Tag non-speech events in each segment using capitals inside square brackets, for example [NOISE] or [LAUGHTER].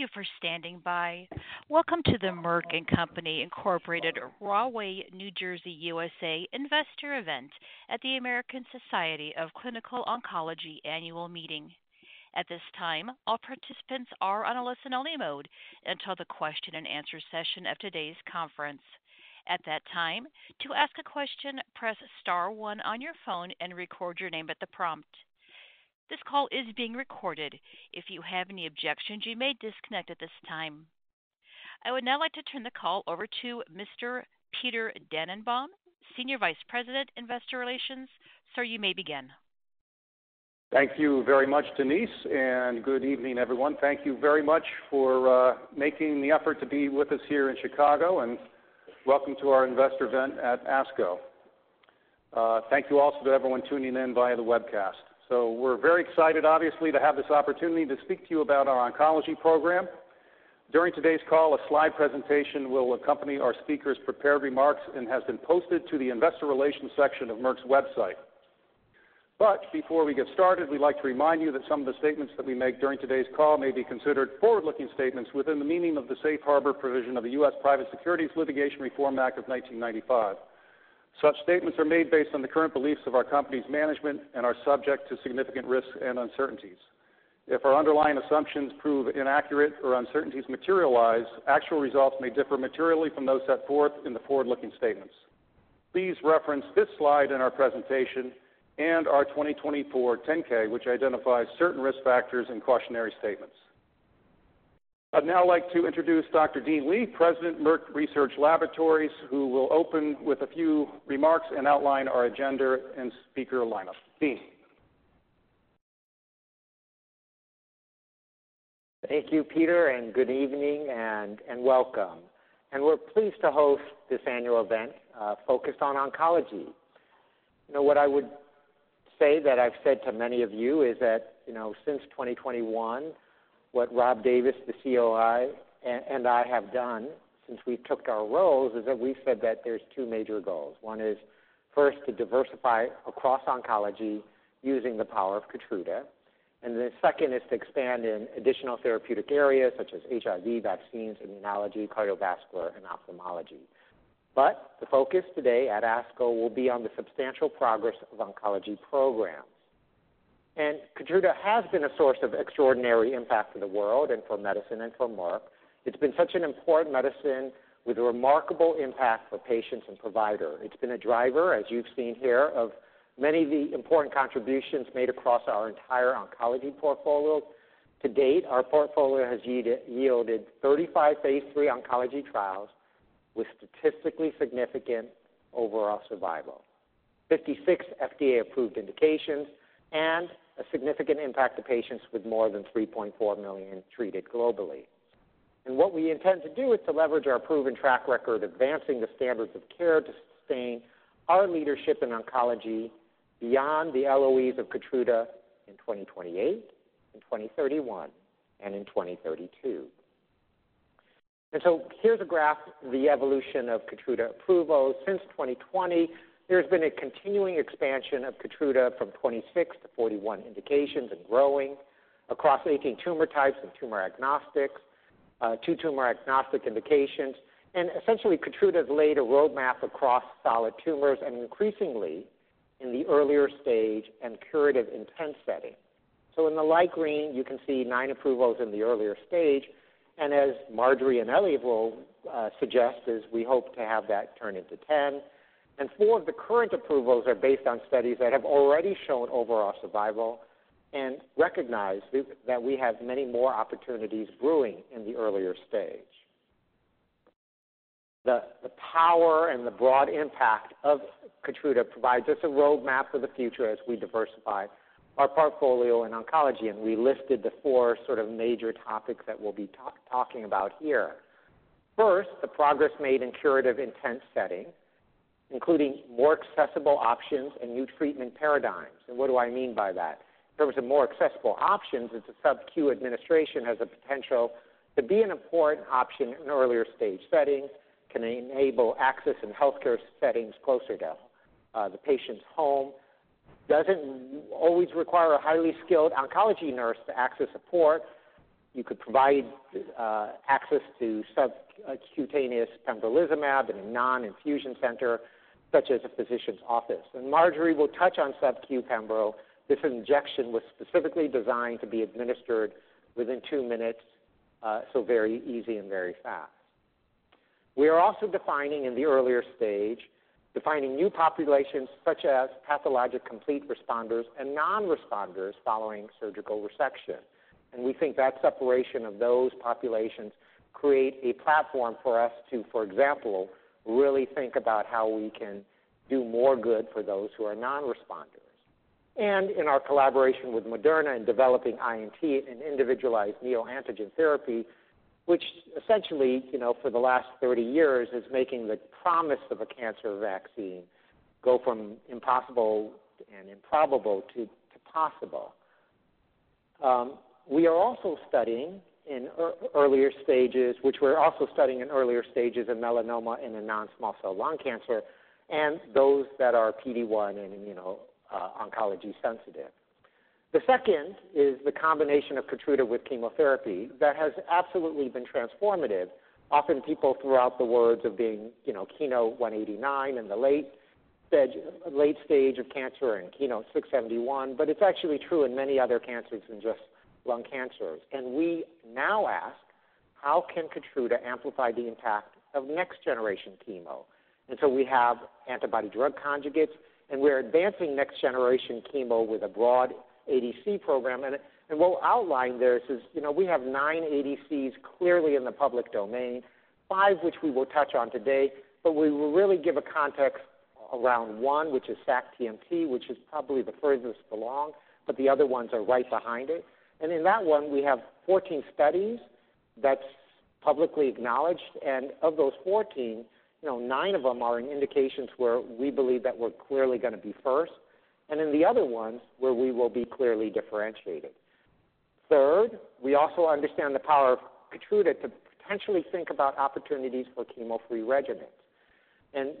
Thank you for standing by. Welcome to the Merck & Co., Rahway, New Jersey, USA investor event at the American Society of Clinical Oncology annual meeting. At this time, all participants are on a listen-only mode until the question-and-answer session of today's conference. At that time, to ask a question, press star one on your phone and record your name at the prompt. This call is being recorded. If you have any objections, you may disconnect at this time. I would now like to turn the call over to Mr. Peter Dannenbaum, Senior Vice President, Investor Relations. Sir, you may begin. Thank you very much, Denise, and good evening, everyone. Thank you very much for making the effort to be with us here in Chicago, and welcome to our investor event at ASCO. Thank you also to everyone tuning in via the webcast. We are very excited, obviously, to have this opportunity to speak to you about our oncology program. During today's call, a slide presentation will accompany our speaker's prepared remarks and has been posted to the investor relations section of Merck's website. Before we get started, we'd like to remind you that some of the statements that we make during today's call may be considered forward-looking statements within the meaning of the safe harbor provision of the U.S. Private Securities Litigation Reform Act of 1995. Such statements are made based on the current beliefs of our company's management and are subject to significant risks and uncertainties. If our underlying assumptions prove inaccurate or uncertainties materialize, actual results may differ materially from those set forth in the forward-looking statements. Please reference this slide in our presentation and our 2024 10-K, which identifies certain risk factors in cautionary statements. I'd now like to introduce Dr. Dean Li, President of Merck Research Laboratories, who will open with a few remarks and outline our agenda and speaker lineup. Dean. Thank you, Peter, and good evening, and welcome. We are pleased to host this annual event focused on oncology. What I would say that I've said to many of you is that since 2021, what Rob Davis, the COI, and I have done since we took our roles is that we've said that there are two major goals. One is, first, to diversify across oncology using the power of KEYTRUDA. The second is to expand in additional therapeutic areas such as HIV, vaccines, immunology, cardiovascular, and ophthalmology. The focus today at ASCO will be on the substantial progress of oncology programs. KEYTRUDA has been a source of extraordinary impact for the world and for medicine and for Merck. It's been such an important medicine with a remarkable impact for patients and providers. It's been a driver, as you've seen here, of many of the important contributions made across our entire oncology portfolio. To date, our portfolio has yielded 35 phase III oncology trials with statistically significant overall survival, 56 FDA-approved indications, and a significant impact to patients with more than 3.4 million treated globally. What we intend to do is to leverage our proven track record advancing the standards of care to sustain our leadership in oncology beyond the LOEs of KEYTRUDA in 2028, in 2031, and in 2032. Here is a graph of the evolution of KEYTRUDA approval. Since 2020, there's been a continuing expansion of KEYTRUDA from 26 to 41 indications and growing across 18 tumor types and tumor agnostics, two tumor agnostic indications. Essentially, KEYTRUDA has laid a roadmap across solid tumors and increasingly in the earlier stage and curative intent setting. In the light green, you can see nine approvals in the earlier stage. As Marjorie and Eliav suggested, we hope to have that turn into 10. Four of the current approvals are based on studies that have already shown overall survival and recognize that we have many more opportunities brewing in the earlier stage. The power and the broad impact of KEYTRUDA provides us a roadmap for the future as we diversify our portfolio in oncology. We listed the four sort of major topics that we'll be talking about here. First, the progress made in curative intent setting, including more accessible options and new treatment paradigms. What do I mean by that? In terms of more accessible options, it's a subcu administration has the potential to be an important option in earlier stage settings, can enable access in healthcare settings closer to the patient's home, doesn't always require a highly skilled oncology nurse to access support. You could provide access to subcutaneous pembrolizumab in a non-infusion center such as a physician's office. Marjorie will touch on subcu pembrol. This injection was specifically designed to be administered within two minutes, so very easy and very fast. We are also defining in the earlier stage, defining new populations such as pathologic complete responders and non-responders following surgical resection. We think that separation of those populations creates a platform for us to, for example, really think about how we can do more good for those who are non-responders. In our collaboration with Moderna and developing INT and individualized neoantigen therapy, which essentially for the last 30 years is making the promise of a cancer vaccine go from impossible and improbable to possible. We are also studying in earlier stages, which we're also studying in earlier stages of melanoma and in non-small cell lung cancer, and those that are PD-1 and oncology sensitive. The second is the combination of KEYTRUDA with chemotherapy that has absolutely been transformative. Often people throw out the words of being KEYNOTE-189 in the late stage of cancer and KEYNOTE-671, but it's actually true in many other cancers than just lung cancers. We now ask, how can KEYTRUDA amplify the impact of next-generation chemo? We have antibody-drug conjugates, and we're advancing next-generation chemo with a broad ADC program. What we'll outline there is we have nine ADCs clearly in the public domain, five which we will touch on today, but we will really give a context around one, which is sac-TMT, which is probably the furthest along, but the other ones are right behind it. In that one, we have 14 studies that's publicly acknowledged. Of those 14, nine of them are in indications where we believe that we're clearly going to be first, and then the other ones where we will be clearly differentiated. Third, we also understand the power of KEYTRUDA to potentially think about opportunities for chemo-free regimens.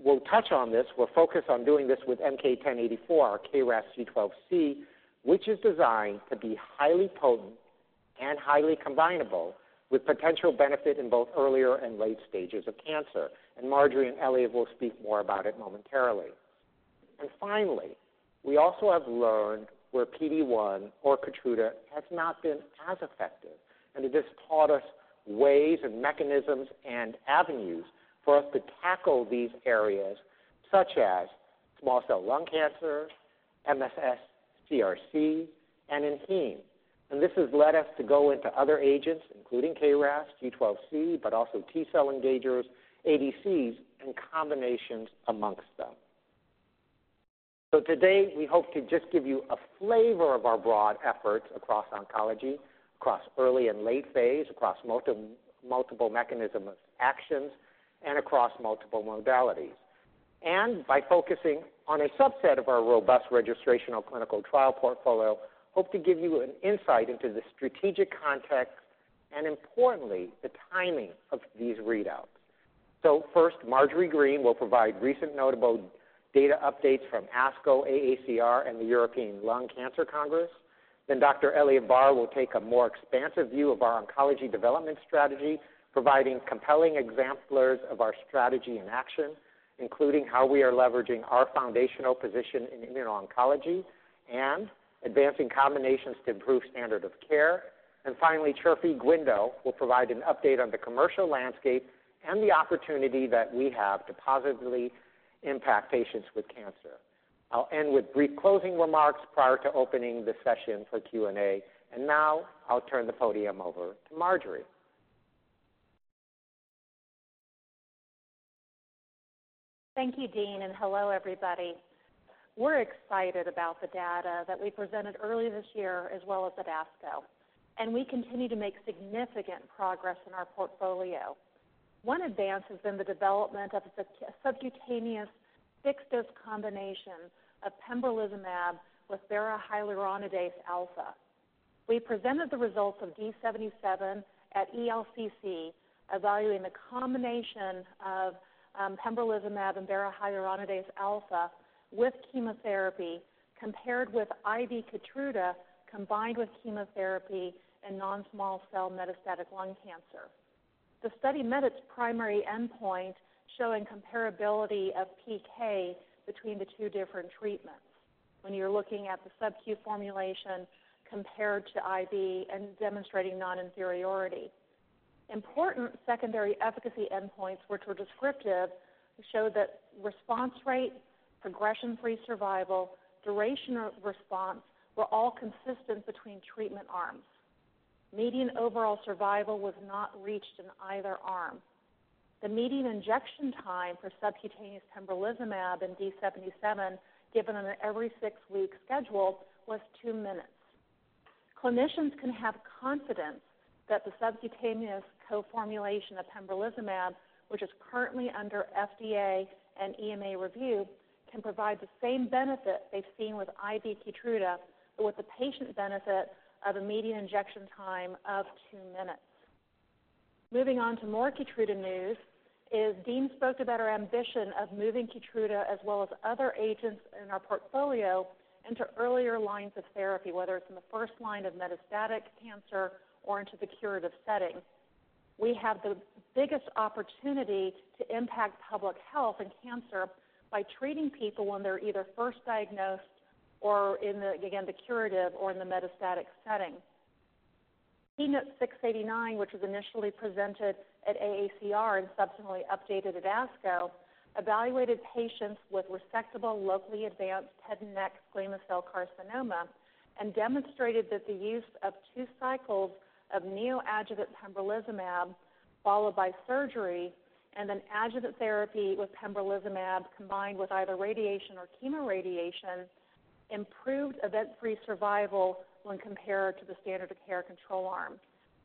We'll touch on this. We'll focus on doing this with MK-1084, our KRAS G12C, which is designed to be highly potent and highly combinable with potential benefit in both earlier and late stages of cancer. Marjorie and Eliav will speak more about it momentarily. Finally, we also have learned where PD-1 or KEYTRUDA has not been as effective. It has taught us ways and mechanisms and avenues for us to tackle these areas such as small cell lung cancer, MSS CRC, and in hemes. This has led us to go into other agents, including KRAS G12C, but also T-cell engagers, ADCs, and combinations amongst them. Today, we hope to just give you a flavor of our broad efforts across oncology, across early and late phase, across multiple mechanisms of actions, and across multiple modalities. By focusing on a subset of our robust registration of clinical trial portfolio, we hope to give you an insight into the strategic context and, importantly, the timing of these readouts. First, Marjorie Green will provide recent notable data updates from ASCO, AACR, and the European Lung Cancer Congress. Dr. Eliav Barr will take a more expansive view of our oncology development strategy, providing compelling exemplars of our strategy in action, including how we are leveraging our foundational position in immuno-oncology and advancing combinations to improve standard of care. Finally, Chirfi Guindo will provide an update on the commercial landscape and the opportunity that we have to positively impact patients with cancer. I'll end with brief closing remarks prior to opening the session for Q&A. Now I'll turn the podium over to Marjorie. Thank you, Dean, and hello, everybody. We're excited about the data that we presented early this year as well as at ASCO. We continue to make significant progress in our portfolio. One advance has been the development of a subcutaneous fixed dose combination of pembrolizumab with berahyaluronidase alfa. We presented the results of D77 at ELCC, evaluating the combination of pembrolizumab and berahyaluronidase alfa with chemotherapy compared with IV KEYTRUDA combined with chemotherapy in non-small cell metastatic lung cancer. The study met its primary endpoint, showing comparability of PK between the two different treatments when you're looking at the subcu formulation compared to IV and demonstrating non-inferiority. Important secondary efficacy endpoints, which were descriptive, showed that response rate, progression-free survival, duration of response were all consistent between treatment arms. Median overall survival was not reached in either arm. The median injection time for subcutaneous pembrolizumab and D77, given an every six-week schedule, was two minutes. Clinicians can have confidence that the subcutaneous co-formulation of pembrolizumab, which is currently under FDA and EMA review, can provide the same benefit they've seen with IV KEYTRUDA with the patient benefit of a median injection time of two minutes. Moving on to more KEYTRUDA news, Dean spoke to that ambition of moving KEYTRUDA as well as other agents in our portfolio into earlier lines of therapy, whether it's in the first line of metastatic cancer or into the curative setting. We have the biggest opportunity to impact public health and cancer by treating people when they're either first diagnosed or in the, again, the curative or in the metastatic setting. KEYNOTE-689, which was initially presented at AACR and subsequently updated at ASCO, evaluated patients with resectable locally advanced head and neck squamous cell carcinoma and demonstrated that the use of two cycles of neoadjuvant pembrolizumab followed by surgery and then adjuvant therapy with pembrolizumab combined with either radiation or chemoradiation improved event-free survival when compared to the standard of care control arm.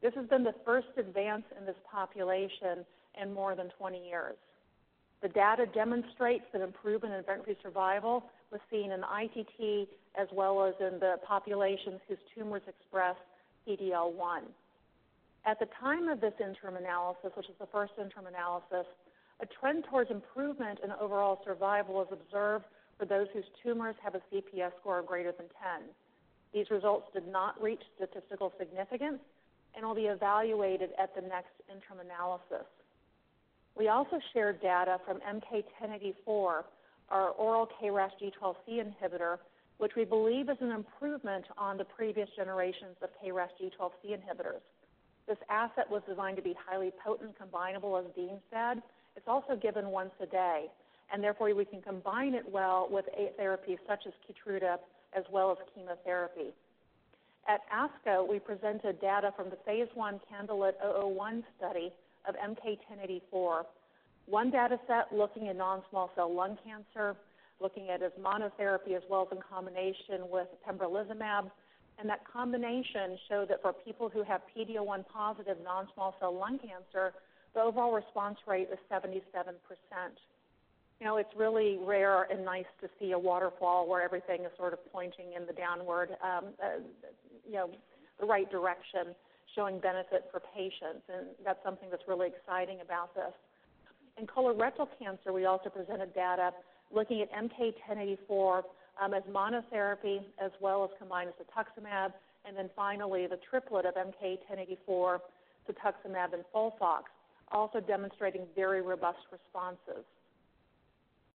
This has been the first advance in this population in more than 20 years. The data demonstrates that improvement in event-free survival was seen in ITT as well as in the populations whose tumors expressed PD-L1. At the time of this interim analysis, which is the first interim analysis, a trend towards improvement in overall survival was observed for those whose tumors have a CPS score greater than 10. These results did not reach statistical significance and will be evaluated at the next interim analysis. We also shared data from MK-1084, our oral KRAS G12C inhibitor, which we believe is an improvement on the previous generations of KRAS G12C inhibitors. This asset was designed to be highly potent, combinable, as Dean said. It's also given once a day. Therefore, we can combine it well with therapies such as KEYTRUDA as well as chemotherapy. At ASCO, we presented data from the phase I KANDLELIT-001 study of MK-1084, one data set looking at non-small cell lung cancer, looking at it as monotherapy as well as in combination with pembrolizumab. That combination showed that for people who have PD-L1 positive non-small cell lung cancer, the overall response rate was 77%. It's really rare and nice to see a waterfall where everything is sort of pointing in the downward, the right direction, showing benefit for patients. That's something that's really exciting about this. In colorectal cancer, we also presented data looking at MK-1084 as monotherapy as well as combined with cetuximab. Finally, the triplet of MK-1084, cetuximab and FOLFOX also demonstrating very robust responses.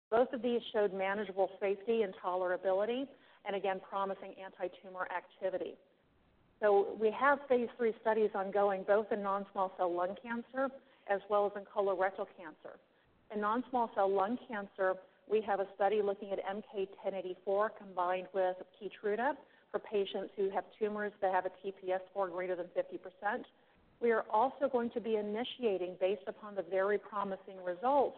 Both of these showed manageable safety and tolerability and, again, promising anti-tumor activity. We have phase III studies ongoing both in non-small cell lung cancer as well as in colorectal cancer. In non-small cell lung cancer, we have a study looking at MK-1084 combined with KEYTRUDA for patients who have tumors that have a TPS score greater than 50%. We are also going to be initiating, based upon the very promising results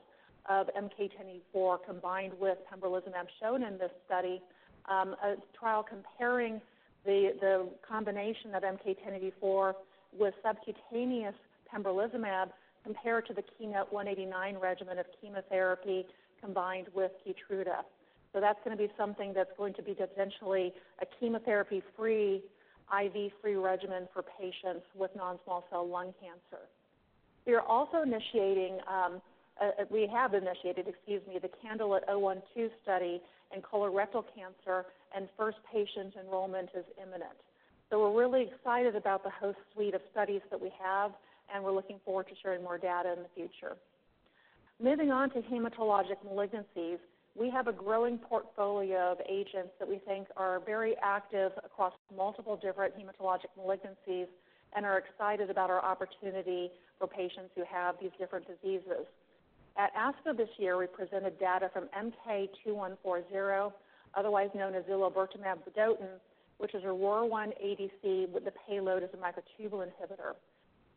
of MK-1084 combined with pembrolizumab shown in this study, a trial comparing the combination of MK-1084 with subcutaneous pembrolizumab compared to the KEYNOTE-189 regimen of chemotherapy combined with KEYTRUDA. That is going to be something that is going to be potentially a chemotherapy-free, IV-free regimen for patients with non-small cell lung cancer. We are also initiating—we have initiated, excuse me—the KANDLELIT-012 study in colorectal cancer, and first patient enrollment is imminent. We are really excited about the host suite of studies that we have, and we are looking forward to sharing more data in the future. Moving on to hematologic malignancies, we have a growing portfolio of agents that we think are very active across multiple different hematologic malignancies and are excited about our opportunity for patients who have these different diseases. At ASCO this year, we presented data from MK-2140, otherwise known as zilovertamab vedotin, which is a ROR1 ADC with the payload as a microtubule inhibitor.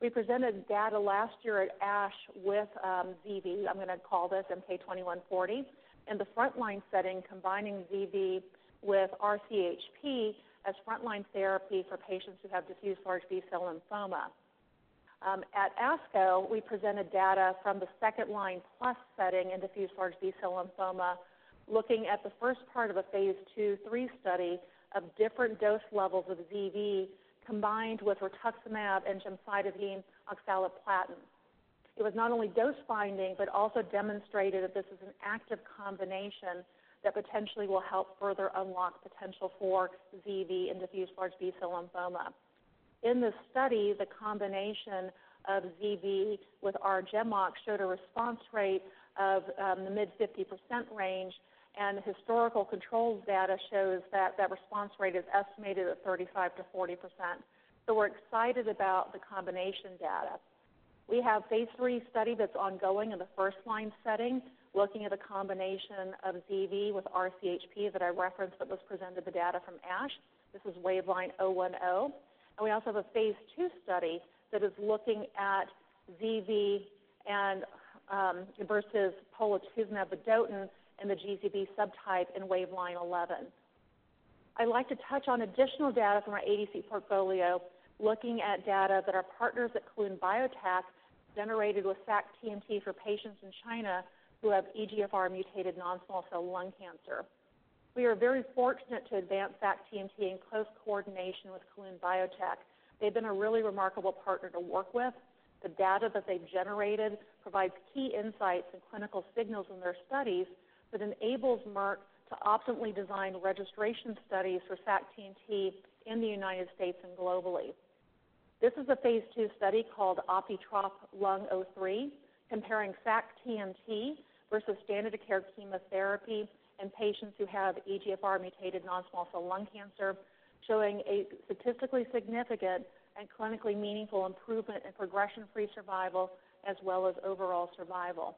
We presented data last year at ASH with ZV, I'm going to call this MK-2140, in the frontline setting, combining ZV with R-CHP as frontline therapy for patients who have diffuse large B-cell lymphoma. At ASCO, we presented data from the second line plus setting in diffuse large B-cell lymphoma, looking at the first part of a phase II/III study of different dose levels of ZV combined with rituximab and gemcitabine oxaliplatin. It was not only dose-finding, but also demonstrated that this is an active combination that potentially will help further unlock potential for ZV in diffuse large B-cell lymphoma. In this study, the combination of ZV with R-GemOx showed a response rate of the mid-50% range, and historical control data shows that that response rate is estimated at 35%-40%. We are excited about the combination data. We have a phase III study that's ongoing in the first line setting, looking at a combination of ZV with R-CHP that I referenced that was presented, the data from ASH. This is waveLINE-010. We also have a phase two study that is looking at ZV versus polatuzumab vedotin in the GCB subtype in waveLINE-011. I'd like to touch on additional data from our ADC portfolio, looking at data that our partners at Kelun-Biotech generated with sac-TMT for patients in China who have EGFR-mutated non-small cell lung cancer. We are very fortunate to advance sac-TMT in close coordination with Kelun-Biotech. They've been a really remarkable partner to work with. The data that they've generated provides key insights and clinical signals in their studies that enables Merck to optimally design registration studies for sac-TMT in the United States and globally. This is a phase II study called OptiTROP-Lung03, comparing sac-TMT versus standard of care chemotherapy in patients who have EGFR-mutated non-small cell lung cancer, showing a statistically significant and clinically meaningful improvement in progression-free survival as well as overall survival.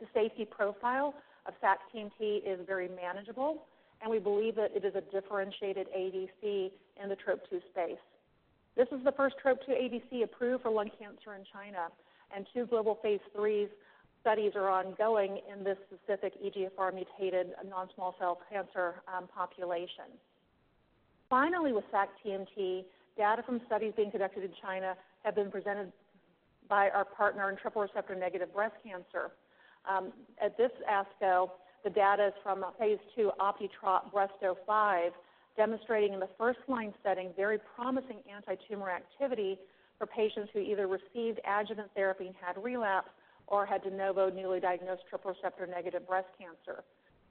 The safety profile of sac-TMT is very manageable, and we believe that it is a differentiated ADC in the TROP2 space. This is the first TROP2 ADC approved for lung cancer in China, and two global phase III studies are ongoing in this specific EGFR-mutated non-small cell cancer population. Finally, with sac-TMT, data from studies being conducted in China have been presented by our partner in triple receptor negative breast cancer. At this ASCO, the data is from phase II OptiTROP-Breast05, demonstrating in the first line setting very promising anti-tumor activity for patients who either received adjuvant therapy and had relapse or had de novo newly diagnosed triple receptor negative breast cancer.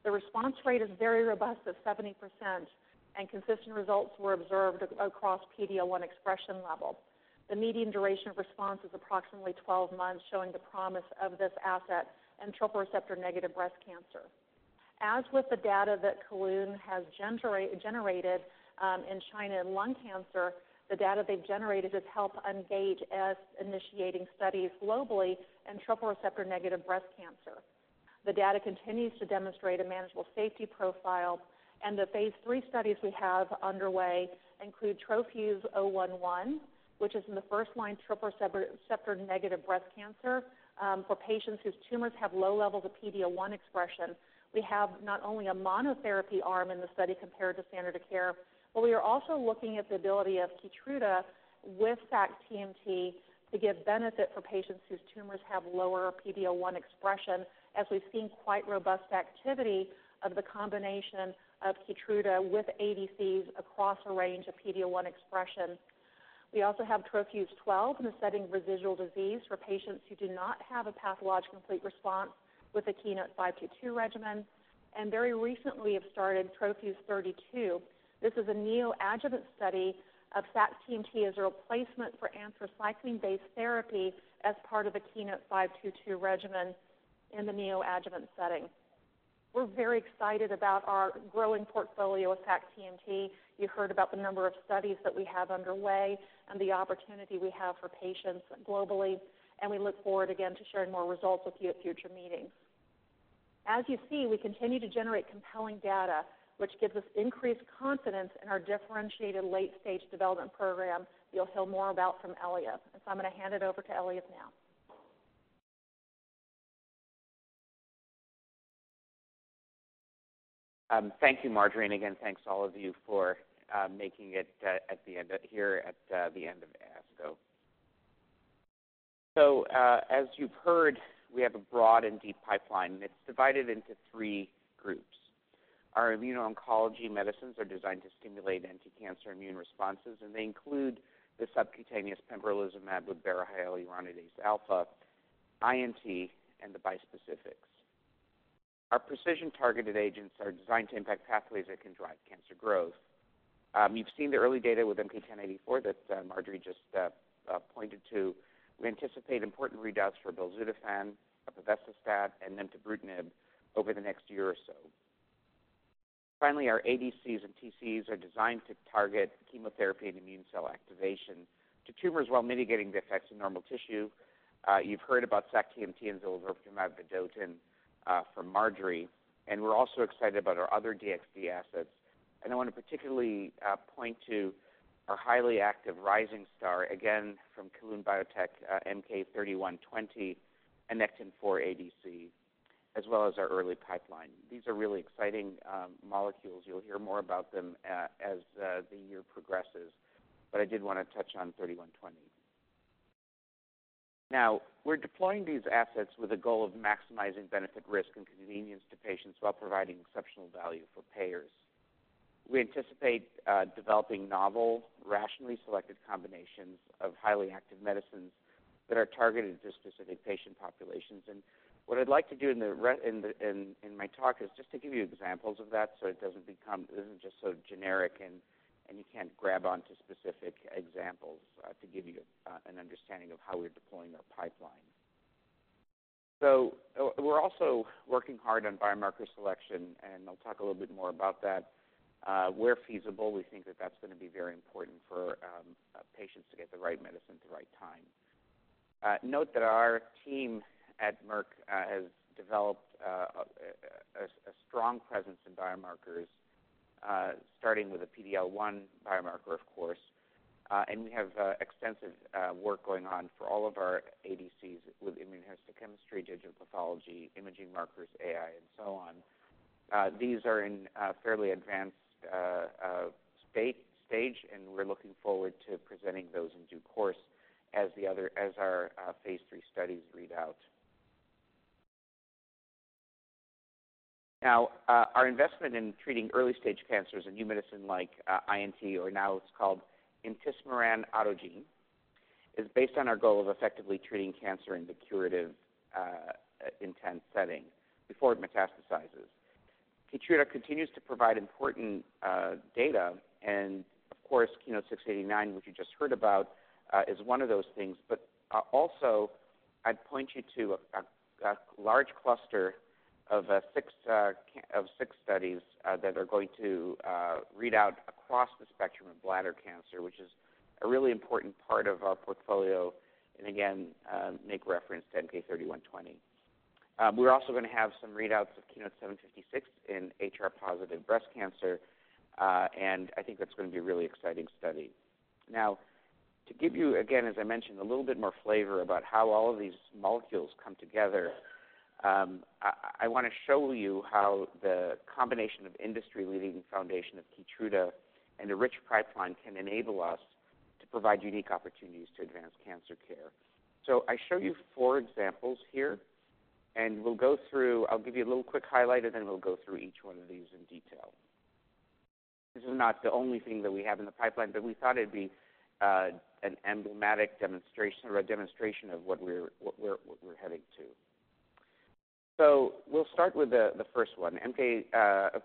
The response rate is very robust at 70%, and consistent results were observed across PD-L1 expression level. The median duration of response is approximately 12 months, showing the promise of this asset in triple receptor negative breast cancer. As with the data that Kelun has generated in China in lung cancer, the data they've generated has helped engage as initiating studies globally in triple receptor negative breast cancer. The data continues to demonstrate a manageable safety profile, and the phase III studies we have underway include TroFuse-011, which is in the first line triple receptor negative breast cancer for patients whose tumors have low levels of PD-L1 expression. We have not only a monotherapy arm in the study compared to standard of care, but we are also looking at the ability of KEYTRUDA with sac-TMT to give benefit for patients whose tumors have lower PD-L1 expression, as we've seen quite robust activity of the combination of KEYTRUDA with ADCs across a range of PD-L1 expression. We also have TroFuse-12 in the setting of residual disease for patients who do not have a pathologic complete response with the KEYNOTE-522 regimen, and very recently we have started TroFuse-32. This is a neoadjuvant study of sac-TMT as a replacement for anthracycline-based therapy as part of the KEYNOTE 522 regimen in the neoadjuvant setting. We're very excited about our growing portfolio of sac-TMT. You heard about the number of studies that we have underway and the opportunity we have for patients globally, and we look forward, again, to sharing more results with you at future meetings. As you see, we continue to generate compelling data, which gives us increased confidence in our differentiated late-stage development program you'll hear more about from Eliav. I'm going to hand it over to Eliav now. Thank you, Marjorie. Again, thanks to all of you for making it at the end here at the end of ASCO. As you've heard, we have a broad and deep pipeline, and it's divided into three groups. Our immuno-oncology medicines are designed to stimulate anti-cancer immune responses, and they include the subcutaneous pembrolizumab with hyaluronidase alfa, INT, and the bispecifics. Our precision targeted agents are designed to impact pathways that can drive cancer growth. You've seen the early data with MK-1084 that Marjorie just pointed to. We anticipate important readouts for belzutifan, opevesostat, and nemtabrutinib over the next year or so. Finally, our ADCs and T-cell engagers are designed to target chemotherapy and immune cell activation to tumors while mitigating the effects in normal tissue. You've heard about sac-TMT and zilovertamab vedotin from Marjorie, and we're also excited about our other DXd assets. I want to particularly point to our highly active rising star, again, from Kelun-Biotech, MK-3120, a Nectin-4 ADC, as well as our early pipeline. These are really exciting molecules. You'll hear more about them as the year progresses, but I did want to touch on 3120. Now, we're deploying these assets with a goal of maximizing benefit, risk, and convenience to patients while providing exceptional value for payers. We anticipate developing novel, rationally selected combinations of highly active medicines that are targeted to specific patient populations. What I'd like to do in my talk is just to give you examples of that so it doesn't become—it isn't just so generic, and you can't grab onto specific examples to give you an understanding of how we're deploying our pipeline. We're also working hard on biomarker selection, and I'll talk a little bit more about that. Where feasible, we think that that's going to be very important for patients to get the right medicine at the right time. Note that our team at Merck has developed a strong presence in biomarkers, starting with a PD-L1 biomarker, of course. We have extensive work going on for all of our ADCs with immunohistochemistry, digital pathology, imaging markers, AI, and so on. These are in a fairly advanced stage, and we're looking forward to presenting those in due course as our phase III studies read out. Now, our investment in treating early-stage cancers and new medicine like INT, or now it's called intismeran autogene, is based on our goal of effectively treating cancer in the curative intent setting before it metastasizes. KEYTRUDA continues to provide important data, and of course, KEYNOTE-689, which you just heard about, is one of those things. I would also point you to a large cluster of six studies that are going to read out across the spectrum of bladder cancer, which is a really important part of our portfolio, and again, make reference to MK-3120. We're also going to have some readouts of KEYNOTE-756 in HR-positive breast cancer, and I think that's going to be a really exciting study. Now, to give you, again, as I mentioned, a little bit more flavor about how all of these molecules come together, I want to show you how the combination of industry-leading foundation of KEYTRUDA and the rich pipeline can enable us to provide unique opportunities to advance cancer care. I show you four examples here, and we'll go through—I will give you a little quick highlight, and then we'll go through each one of these in detail. This is not the only thing that we have in the pipeline, but we thought it'd be an emblematic demonstration or a demonstration of what we're heading to. We'll start with the first one. KEYTRUDA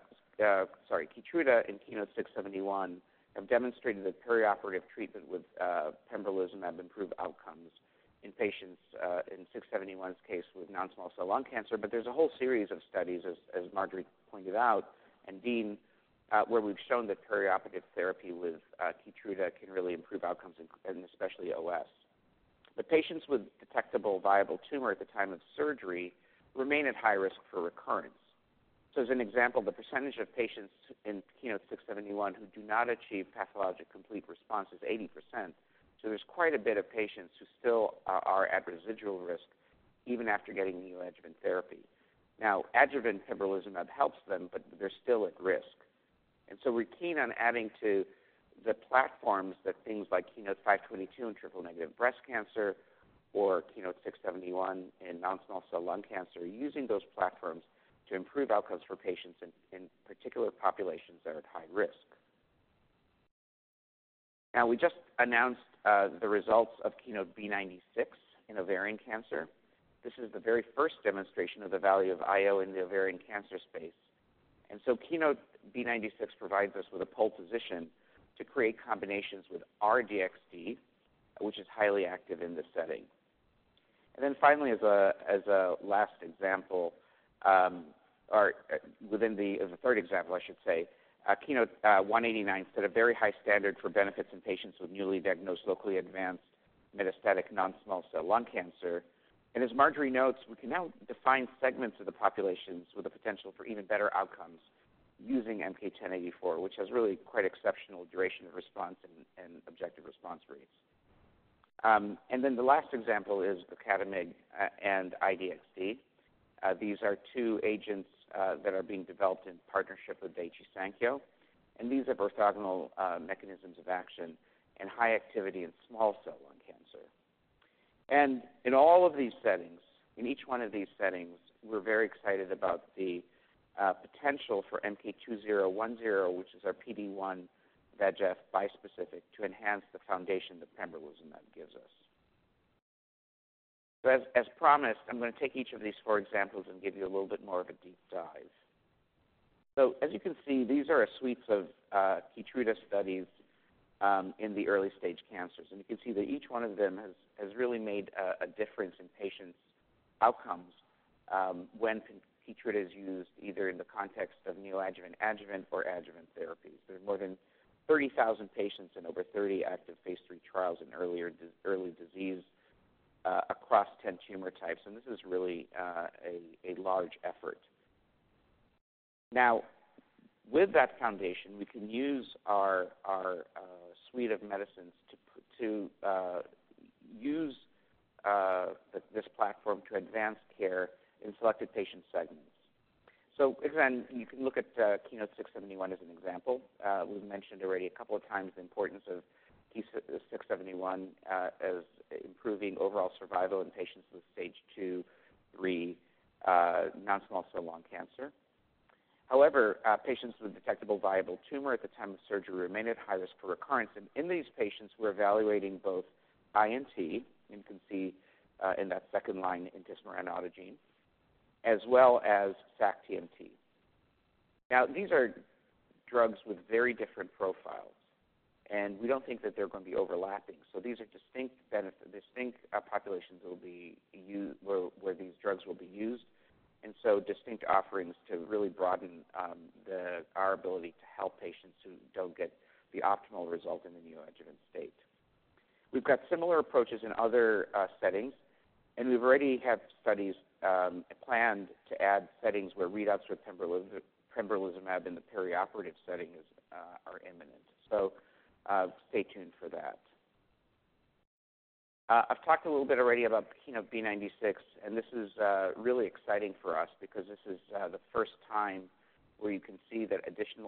and KEYNOTE-671 have demonstrated that perioperative treatment with pembrolizumab improved outcomes in patients, in 671's case with non-small cell lung cancer. There is a whole series of studies, as Marjorie pointed out and Dean, where we've shown that perioperative therapy with KEYTRUDA can really improve outcomes, and especially OS. Patients with detectable viable tumor at the time of surgery remain at high risk for recurrence. As an example, the percentage of patients in KEYNOTE-671 who do not achieve pathologic complete response is 80%. There are quite a bit of patients who still are at residual risk even after getting neoadjuvant therapy. Now, adjuvant pembrolizumab helps them, but they're still at risk. We are keen on adding to the platforms that things like KEYNOTE-522 in triple negative breast cancer or KEYNOTE-671 in non-small cell lung cancer are using, those platforms to improve outcomes for patients in particular populations that are at high risk. We just announced the results of KEYNOTE-B96 in ovarian cancer. This is the very first demonstration of the value of IO in the ovarian cancer space. KEYNOTE-B96 provides us with a pole position to create combinations with R-DXd, which is highly active in this setting. Finally, as a last example, or within the third example, I should say, KEYNOTE-189 set a very high standard for benefits in patients with newly diagnosed locally advanced metastatic non-small cell lung cancer. As Marjorie notes, we can now define segments of the populations with the potential for even better outcomes using MK-1084, which has really quite exceptional duration of response and objective response rates. The last example is gocatamig and I-DXd. These are two agents that are being developed in partnership with Daiichi Sankyo, and these have orthogonal mechanisms of action in high activity in small cell lung cancer. In all of these settings, in each one of these settings, we're very excited about the potential for MK-2010, which is our PD-1 VEGF bispecific, to enhance the foundation that pembrolizumab gives us. As promised, I'm going to take each of these four examples and give you a little bit more of a deep dive. As you can see, these are a suite of KEYTRUDA studies in the early-stage cancers. You can see that each one of them has really made a difference in patients' outcomes when KEYTRUDA is used either in the context of neoadjuvant, adjuvant, or adjuvant therapies. There are more than 30,000 patients in over 30 active phase III trials in early disease across 10 tumor types, and this is really a large effort. Now, with that foundation, we can use our suite of medicines to use this platform to advance care in selected patient segments. Again, you can look at KEYNOTE-671 as an example. We have mentioned already a couple of times the importance of KEYNOTE-671 as improving overall survival in patients with stage two, three, non-small cell lung cancer. However, patients with detectable viable tumor at the time of surgery remain at high risk for recurrence. In these patients, we're evaluating both INT, and you can see in that second line intismeran autogene, as well as sac-TMT. Now, these are drugs with very different profiles, and we don't think that they're going to be overlapping. These are distinct populations where these drugs will be used, and so distinct offerings to really broaden our ability to help patients who don't get the optimal result in the neoadjuvant state. We've got similar approaches in other settings, and we already have studies planned to add settings where readouts with pembrolizumab in the perioperative setting are imminent. Stay tuned for that. I've talked a little bit already about KEYNOTE-B96, and this is really exciting for us because this is the first time where you can see that addition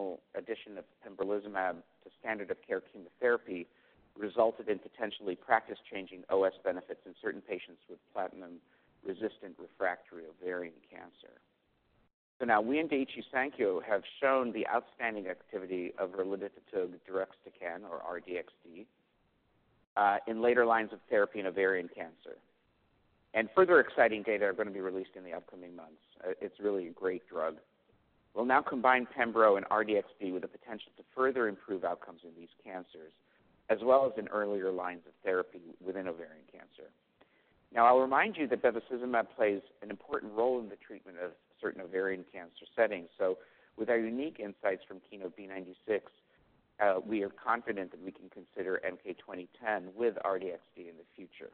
of pembrolizumab to standard of care chemotherapy resulted in potentially practice-changing OS benefits in certain patients with platinum-resistant refractory ovarian cancer. Now, we and Daiichi Sankyo have shown the outstanding activity of raludotatug deruxtecan, or R-DXd, in later lines of therapy in ovarian cancer. Further exciting data are going to be released in the upcoming months. It's really a great drug. We'll now combine pembro and R-DXd with the potential to further improve outcomes in these cancers, as well as in earlier lines of therapy within ovarian cancer. I'll remind you that bevacizumab plays an important role in the treatment of certain ovarian cancer settings. With our unique insights from KEYNOTE-B96, we are confident that we can consider MK-2010 with R-DXd in the future.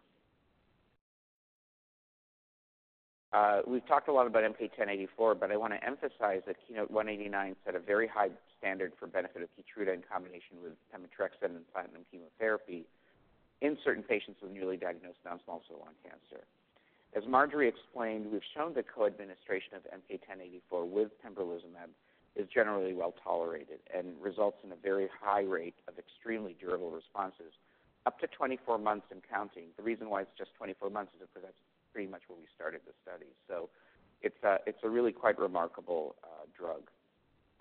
We've talked a lot about MK-1084, but I want to emphasize that KEYNOTE-189 set a very high standard for benefit of KEYTRUDA in combination with pemetrexed and platinum chemotherapy in certain patients with newly diagnosed non-small cell lung cancer. As Marjorie explained, we've shown that co-administration of MK-1084 with pembrolizumab is generally well tolerated and results in a very high rate of extremely durable responses up to 24 months and counting. The reason why it's just 24 months is because that's pretty much where we started the study. It's a really quite remarkable drug.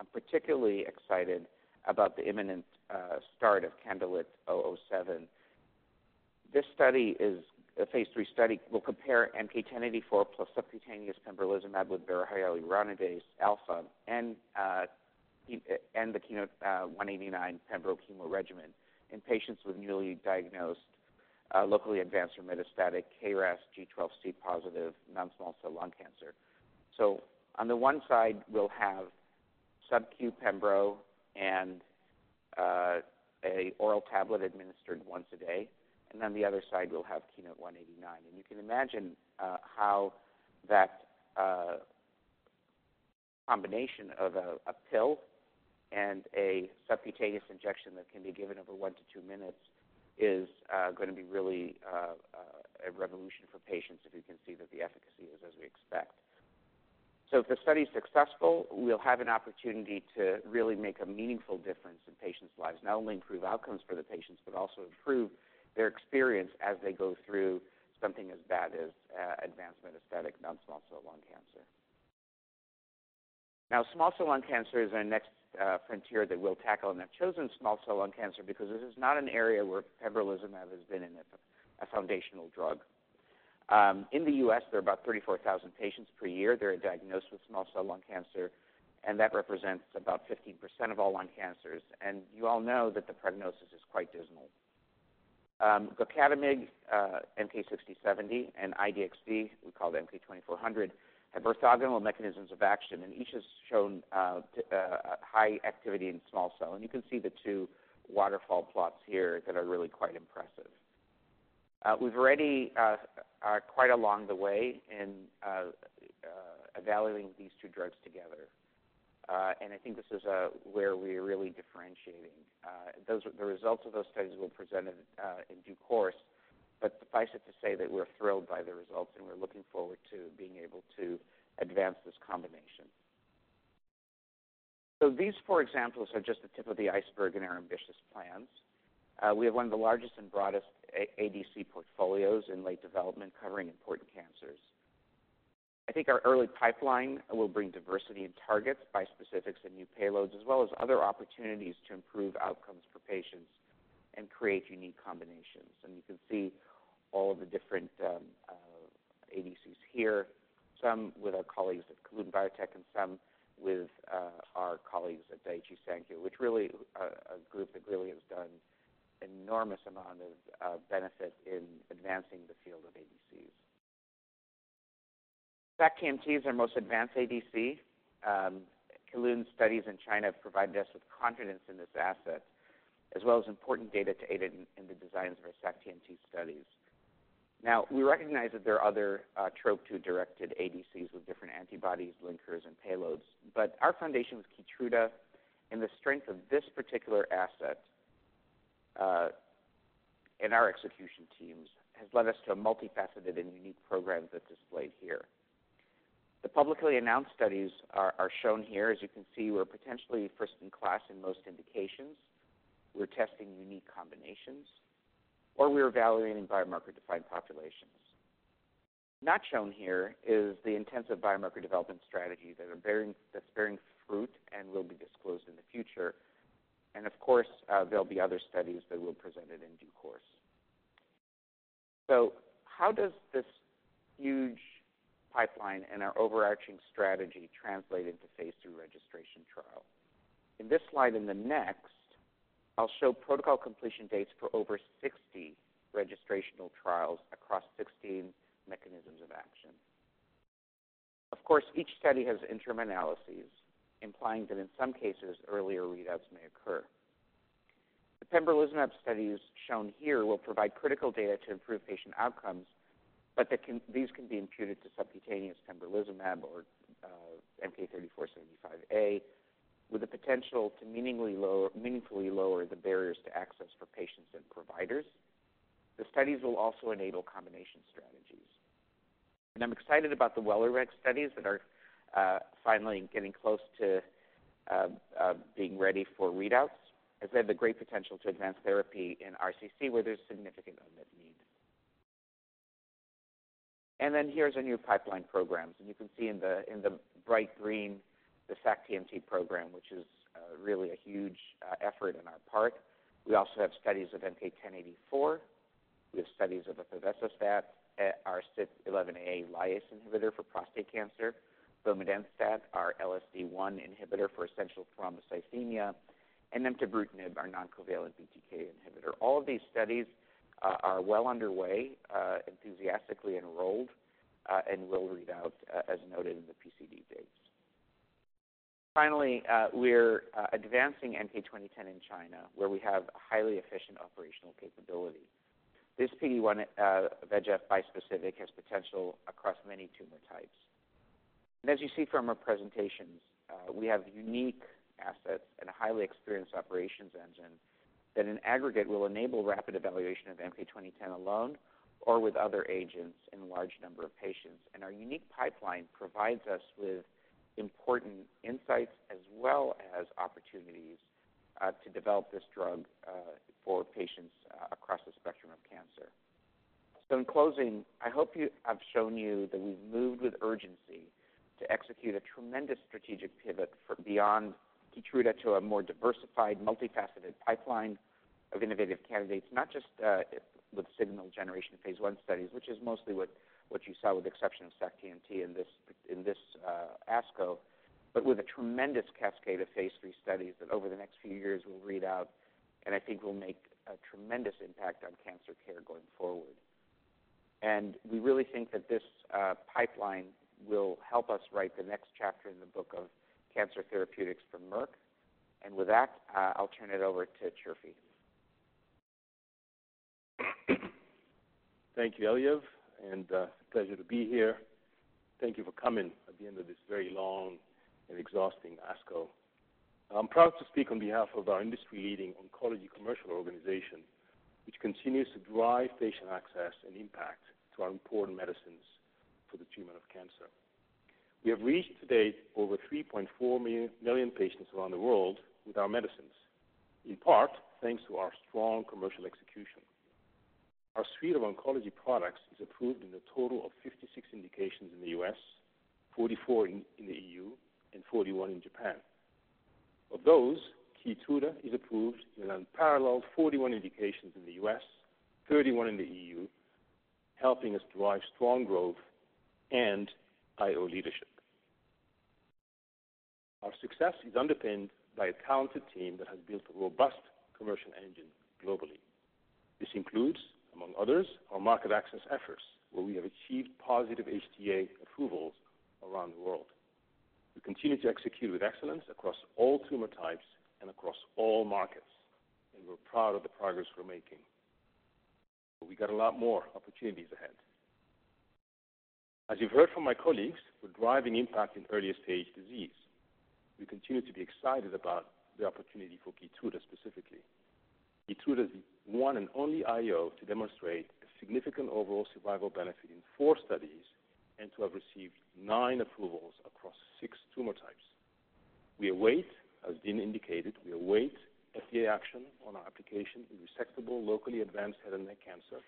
I'm particularly excited about the imminent start of KANDLELIT-007. This study is a phase III study. We'll compare MK-1084 plus subcutaneous pembrolizumab with barohialuronidase alfa and the KEYNOTE-189 pembro chemo regimen in patients with newly diagnosed locally advanced or metastatic KRAS G12C positive non-small cell lung cancer. On the one side, we'll have subcu pembro and an oral tablet administered once a day, and on the other side, we'll have KEYNOTE-189. You can imagine how that combination of a pill and a subcutaneous injection that can be given over one to two minutes is going to be really a revolution for patients if you can see that the efficacy is as we expect. If the study is successful, we'll have an opportunity to really make a meaningful difference in patients' lives, not only improve outcomes for the patients but also improve their experience as they go through something as bad as advanced metastatic non-small cell lung cancer. Now, small cell lung cancer is our next frontier that we'll tackle, and I've chosen small cell lung cancer because this is not an area where pembrolizumab has been a foundational drug. In the U.S., there are about 34,000 patients per year that are diagnosed with small cell lung cancer, and that represents about 15% of all lung cancers. You all know that the prognosis is quite dismal. gocatamig, MK-6070, and I-DXd, we call it MK-2400, have orthogonal mechanisms of action, and each has shown high activity in small cell. You can see the two waterfall plots here that are really quite impressive. We've already quite along the way in evaluating these two drugs together, and I think this is where we are really differentiating. The results of those studies will present in due course, but suffice it to say that we're thrilled by the results, and we're looking forward to being able to advance this combination. These four examples are just the tip of the iceberg in our ambitious plans. We have one of the largest and broadest ADC portfolios in late development covering important cancers. I think our early pipeline will bring diversity in targets, bispecifics, and new payloads, as well as other opportunities to improve outcomes for patients and create unique combinations. You can see all of the different ADCs here, some with our colleagues at Kelun-Biotech and some with our colleagues at Daiichi Sankyo, which really is a group that really has done an enormous amount of benefit in advancing the field of ADCs. sac-TMT is our most advanced ADC. Kelun-Biotech studies in China have provided us with confidence in this asset, as well as important data to aid in the designs of our sac-TMT studies. Now, we recognize that there are other TROP2-directed ADCs with different antibodies, linkers, and payloads, but our foundation with KEYTRUDA and the strength of this particular asset and our execution teams has led us to a multifaceted and unique program that's displayed here. The publicly announced studies are shown here. As you can see, we're potentially first in class in most indications. We're testing unique combinations, or we're evaluating biomarker-defined populations. Not shown here is the intensive biomarker development strategy that's bearing fruit and will be disclosed in the future. Of course, there'll be other studies that will present it in due course. How does this huge pipeline and our overarching strategy translate into phase III registration trial? In this slide and the next, I'll show protocol completion dates for over 60 registrational trials across 16 mechanisms of action. Of course, each study has interim analyses implying that in some cases, earlier readouts may occur. The pembrolizumab studies shown here will provide critical data to improve patient outcomes, but these can be imputed to subcutaneous pembrolizumab or MK-3475A, with the potential to meaningfully lower the barriers to access for patients and providers. The studies will also enable combination strategies. I am excited about the WELIREG studies that are finally getting close to being ready for readouts, as they have the great potential to advance therapy in RCC where there's significant unmet need. Here are our new pipeline programs. You can see in the bright green the sac-TMT program, which is really a huge effort on our part. We also have studies of MK-1084. We have studies of bevacizumab, our CYP11A1 [AUDIO DISTORTION] inhibitor for prostate cancer, bomedemstat, our LSD1 inhibitor for essential thrombocythemia, and nemtabrutinib, our non-covalent BTK inhibitor. All of these studies are well underway, enthusiastically enrolled, and will read out as noted in the PCD dates. Finally, we are advancing MK-2010 in China, where we have highly efficient operational capability. This PD-1 VEGF bispecific has potential across many tumor types. As you see from our presentations, we have unique assets and a highly experienced operations engine that in aggregate will enable rapid evaluation of MK-2010 alone or with other agents in a large number of patients. Our unique pipeline provides us with important insights as well as opportunities to develop this drug for patients across the spectrum of cancer. In closing, I hope I've shown you that we've moved with urgency to execute a tremendous strategic pivot beyond KEYTRUDA to a more diversified, multifaceted pipeline of innovative candidates, not just with signal generation phase I studies, which is mostly what you saw with the exception of sac-TMT in this ASCO, but with a tremendous cascade of phase III studies that over the next few years will readout, and I think will make a tremendous impact on cancer care going forward. We really think that this pipeline will help us write the next chapter in the book of cancer therapeutics for Merck. With that, I'll turn it over to Chirfi. Thank you, Eliav, and pleasure to be here. Thank you for coming at the end of this very long and exhausting ASCO. I'm proud to speak on behalf of our industry-leading oncology commercial organization, which continues to drive patient access and impact to our important medicines for the treatment of cancer. We have reached today over 3.4 million patients around the world with our medicines, in part thanks to our strong commercial execution. Our suite of oncology products is approved in a total of 56 indications in the U.S., 44 in the EU, and 41 in Japan. Of those, KEYTRUDA is approved in an unparalleled 41 indications in the U.S., 31 in the EU, helping us drive strong growth and IO leadership. Our success is underpinned by a talented team that has built a robust commercial engine globally. This includes, among others, our market access efforts, where we have achieved positive HTA approvals around the world. We continue to execute with excellence across all tumor types and across all markets, and we're proud of the progress we're making. We've got a lot more opportunities ahead. As you've heard from my colleagues, we're driving impact in early-stage disease. We continue to be excited about the opportunity for KEYTRUDA specifically. KEYTRUDA is the one and only IO to demonstrate a significant overall survival benefit in four studies and to have received nine approvals across six tumor types. We await, as Dean indicated, we await FDA action on our application in resectable locally advanced head and neck cancer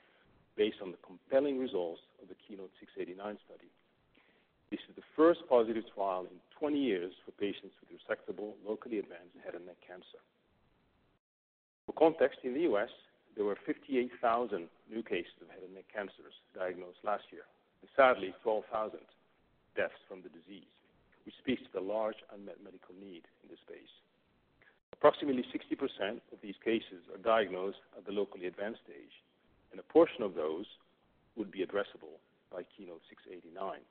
based on the compelling results of the KEYNOTE-689 study. This is the first positive trial in 20 years for patients with resectable locally advanced head and neck cancer. For context, in the U.S., there were 58,000 new cases of head and neck cancers diagnosed last year, and sadly, 12,000 deaths from the disease, which speaks to the large unmet medical need in this space. Approximately 60% of these cases are diagnosed at the locally advanced stage, and a portion of those would be addressable by KEYNOTE-689.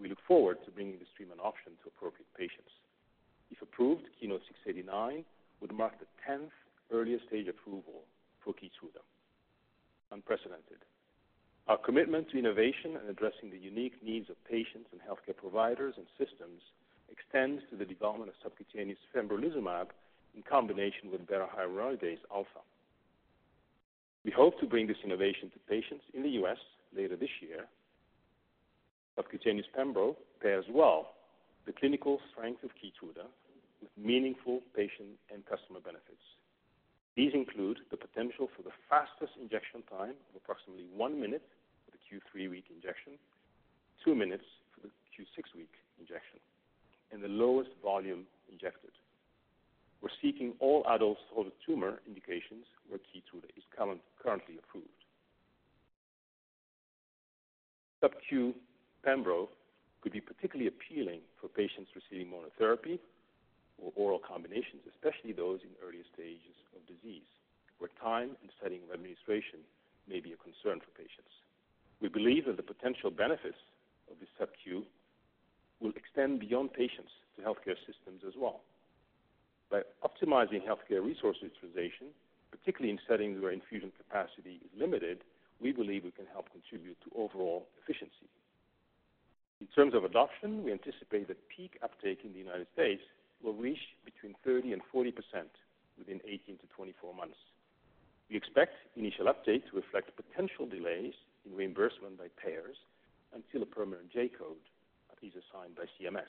We look forward to bringing this treatment option to appropriate patients. If approved, KEYNOTE-689 would mark the 10th earliest stage approval for KEYTRUDA, unprecedented. Our commitment to innovation and addressing the unique needs of patients and healthcare providers and systems extends to the development of subcutaneous pembrolizumab in combination with barohyaluronidase alfa. We hope to bring this innovation to patients in the U.S. later this year. subcutaneous pembro pairs well with the clinical strength of KEYTRUDA with meaningful patient and customer benefits. These include the potential for the fastest injection time of approximately one minute for the Q3 week injection, two minutes for the Q6 week injection, and the lowest volume injected. We're seeking all adults or the tumor indications where KEYTRUDA is currently approved. subcu pembro could be particularly appealing for patients receiving monotherapy or oral combinations, especially those in earlier stages of disease, where time and setting of administration may be a concern for patients. We believe that the potential benefits of this subcu will extend beyond patients to healthcare systems as well. By optimizing healthcare resource utilization, particularly in settings where infusion capacity is limited, we believe we can help contribute to overall efficiency. In terms of adoption, we anticipate that peak uptake in the United States will reach between 30%-40% within 18-24 months. We expect initial update to reflect potential delays in reimbursement by payers until a permanent J code is assigned by CMS.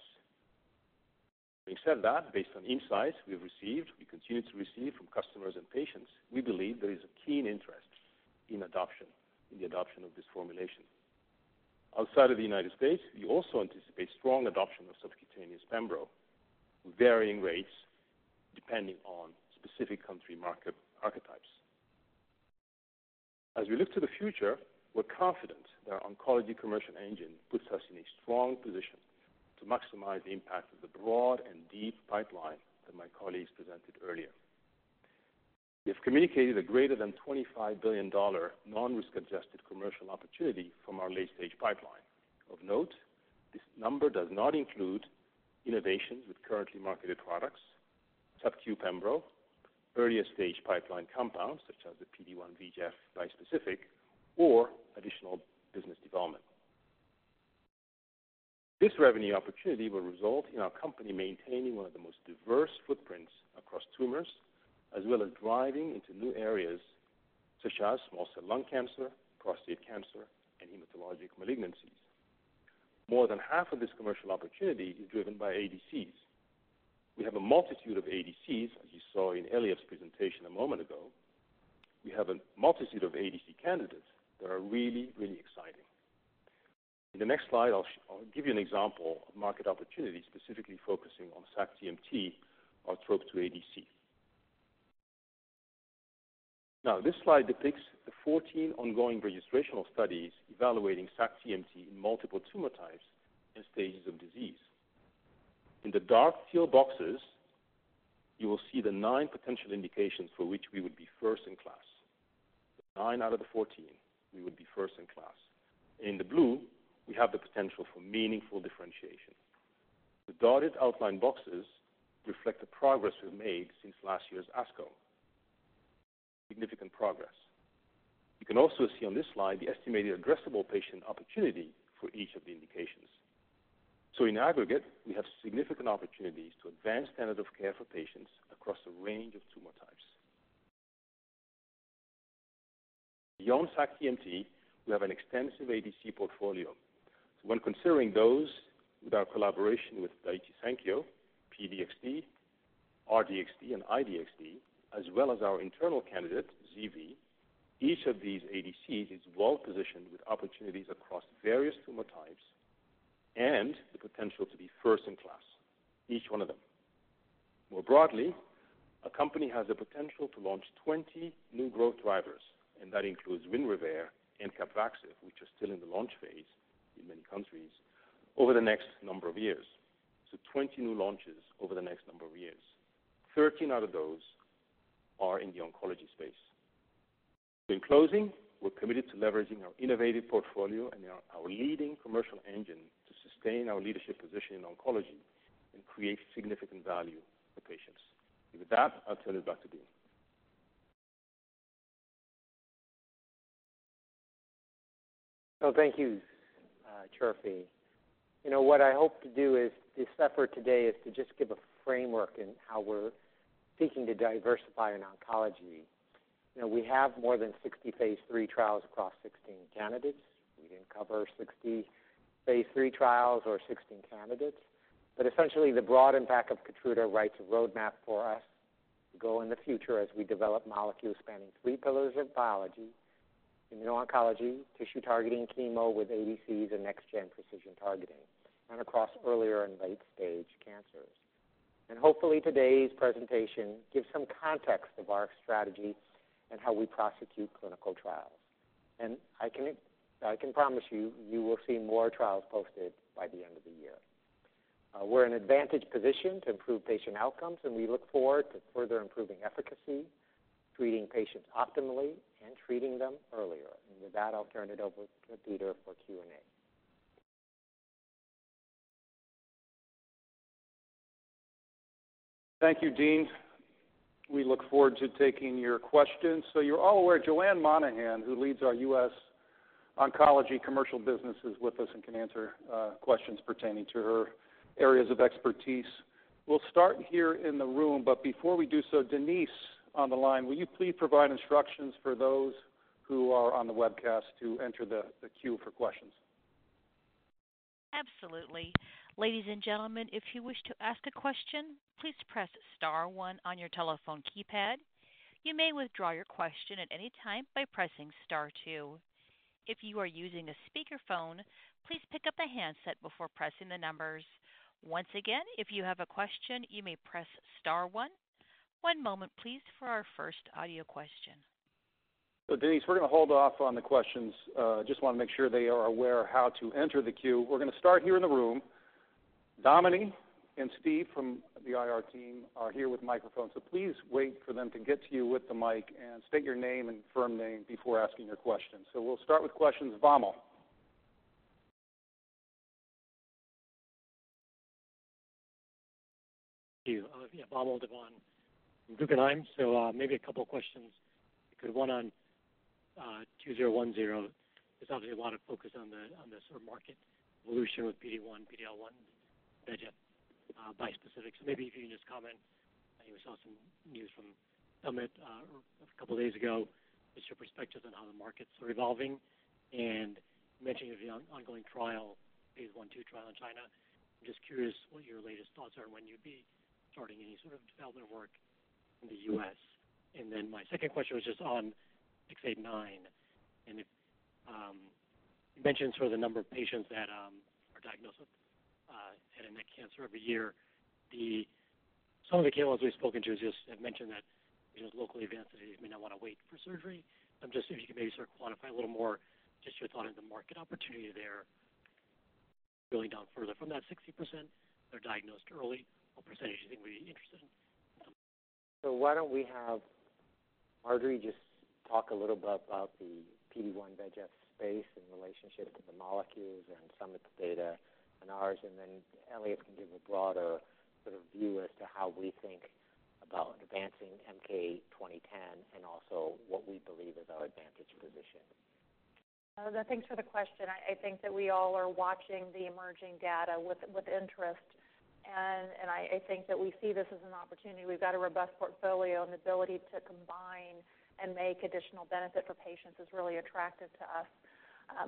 Having said that, based on insights we've received, we continue to receive from customers and patients, we believe there is a keen interest in adoption, in the adoption of this formulation. Outside of the United States, we also anticipate strong adoption of subcutaneous pembro with varying rates depending on specific country market archetypes. As we look to the future, we're confident that our oncology commercial engine puts us in a strong position to maximize the impact of the broad and deep pipeline that my colleagues presented earlier. We have communicated a greater than $25 billion non-risk-adjusted commercial opportunity from our late-stage pipeline. Of note, this number does not include innovations with currently marketed products, subcu pembro, earlier stage pipeline compounds such as the PD-1 VEGF bispecific, or additional business development. This revenue opportunity will result in our company maintaining one of the most diverse footprints across tumors, as well as driving into new areas such as small cell lung cancer, prostate cancer, and hematologic malignancies. More than half of this commercial opportunity is driven by ADCs. We have a multitude of ADCs, as you saw in Eliav's presentation a moment ago. We have a multitude of ADC candidates that are really, really exciting. In the next slide, I'll give you an example of market opportunity specifically focusing on sac-TMT or TROP2 ADC. Now, this slide depicts the 14 ongoing registrational studies evaluating sac-TMT in multiple tumor types and stages of disease. In the dark teal boxes, you will see the nine potential indications for which we would be first in class. Nine out of the 14, we would be first in class. In the blue, we have the potential for meaningful differentiation. The dotted outline boxes reflect the progress we've made since last year's ASCO. Significant progress. You can also see on this slide the estimated addressable patient opportunity for each of the indications. In aggregate, we have significant opportunities to advance standard of care for patients across a range of tumor types. Beyond sac-TMT, we have an extensive ADC portfolio. When considering those with our collaboration with Daiichi Sankyo, P-DXd, R-DXd, and I-DXd, as well as our internal candidate, ZV, each of these ADCs is well positioned with opportunities across various tumor types and the potential to be first in class, each one of them. More broadly, a company has the potential to launch 20 new growth drivers, and that includes WINREVAIR and CAPVAXIVE, which are still in the launch phase in many countries over the next number of years. 20 new launches over the next number of years. 13 out of those are in the oncology space. In closing, we're committed to leveraging our innovative portfolio and our leading commercial engine to sustain our leadership position in oncology and create significant value for patients. With that, I'll turn it back to Dean. Thank you, Chirfi. What I hope to do in this effort today is to just give a framework in how we're seeking to diversify in oncology. We have more than 60 phase III trials across 16 candidates. We didn't cover 60 phase III trials or 16 candidates. Essentially, the broad impact of KEYTRUDA writes a roadmap for us to go in the future as we develop molecules spanning three pillars of biology: immuno-oncology, tissue targeting, chemo with ADCs, and next-gen precision targeting, and across earlier and late-stage cancers. Hopefully, today's presentation gives some context of our strategy and how we prosecute clinical trials. I can promise you, you will see more trials posted by the end of the year. We're in an advantage position to improve patient outcomes, and we look forward to further improving efficacy, treating patients optimally, and treating them earlier. I'll turn it over to Peter for Q&A. Thank you, Dean. We look forward to taking your questions. As you are all aware, Joanne Monahan, who leads our U.S. oncology commercial business, is with us and can answer questions pertaining to her areas of expertise. We will start here in the room. Before we do so, Denise on the line, will you please provide instructions for those who are on the webcast to enter the queue for questions? Absolutely. Ladies and gentlemen, if you wish to ask a question, please press star one on your telephone keypad. You may withdraw your question at any time by pressing star two. If you are using a speakerphone, please pick up the handset before pressing the numbers. Once again, if you have a question, you may press star one. One moment, please, for our first audio question. Denise, we're going to hold off on the questions. I just want to make sure they are aware of how to enter the queue. We're going to start here in the room. Dominique and Steve from the IR team are here with microphones, so please wait for them to get to you with the mic and state your name and firm name before asking your questions. We'll start with questions. Vamil. Thank you. Vamil Divan. I'm Guggenheim, so maybe a couple of questions. One on 2010. There's obviously a lot of focus on the sort of market evolution with PD-1, PD-L1, and [AUDIO DISTORTION] bispecific. Maybe if you can just comment. I think we saw some news from Summit a couple of days ago. What's your perspective on how the markets are evolving? You mentioned you have the ongoing trial, phase I/II trial in China. I'm just curious what your latest thoughts are on when you'd be starting any sort of development work in the U.S.. My second question was just on 689. You mentioned sort of the number of patients that are diagnosed with head and neck cancer every year. Some of the cables we've spoken to have mentioned that patients locally advanced may not want to wait for surgery. I'm just curious if you could maybe sort of quantify a little more just your thought on the market opportunity there. Going down further from that 60%, they're diagnosed early. What percentage do you think would be interested in? Why don't we have Marjorie just talk a little bit about the PD-1 VEGF space and relationship to the molecules and Summit's data and ours, and then Eliav can give a broader sort of view as to how we think about advancing MK-2010 and also what we believe is our advantage position. Thanks for the question. I think that we all are watching the emerging data with interest, and I think that we see this as an opportunity. We've got a robust portfolio, and the ability to combine and make additional benefit for patients is really attractive to us.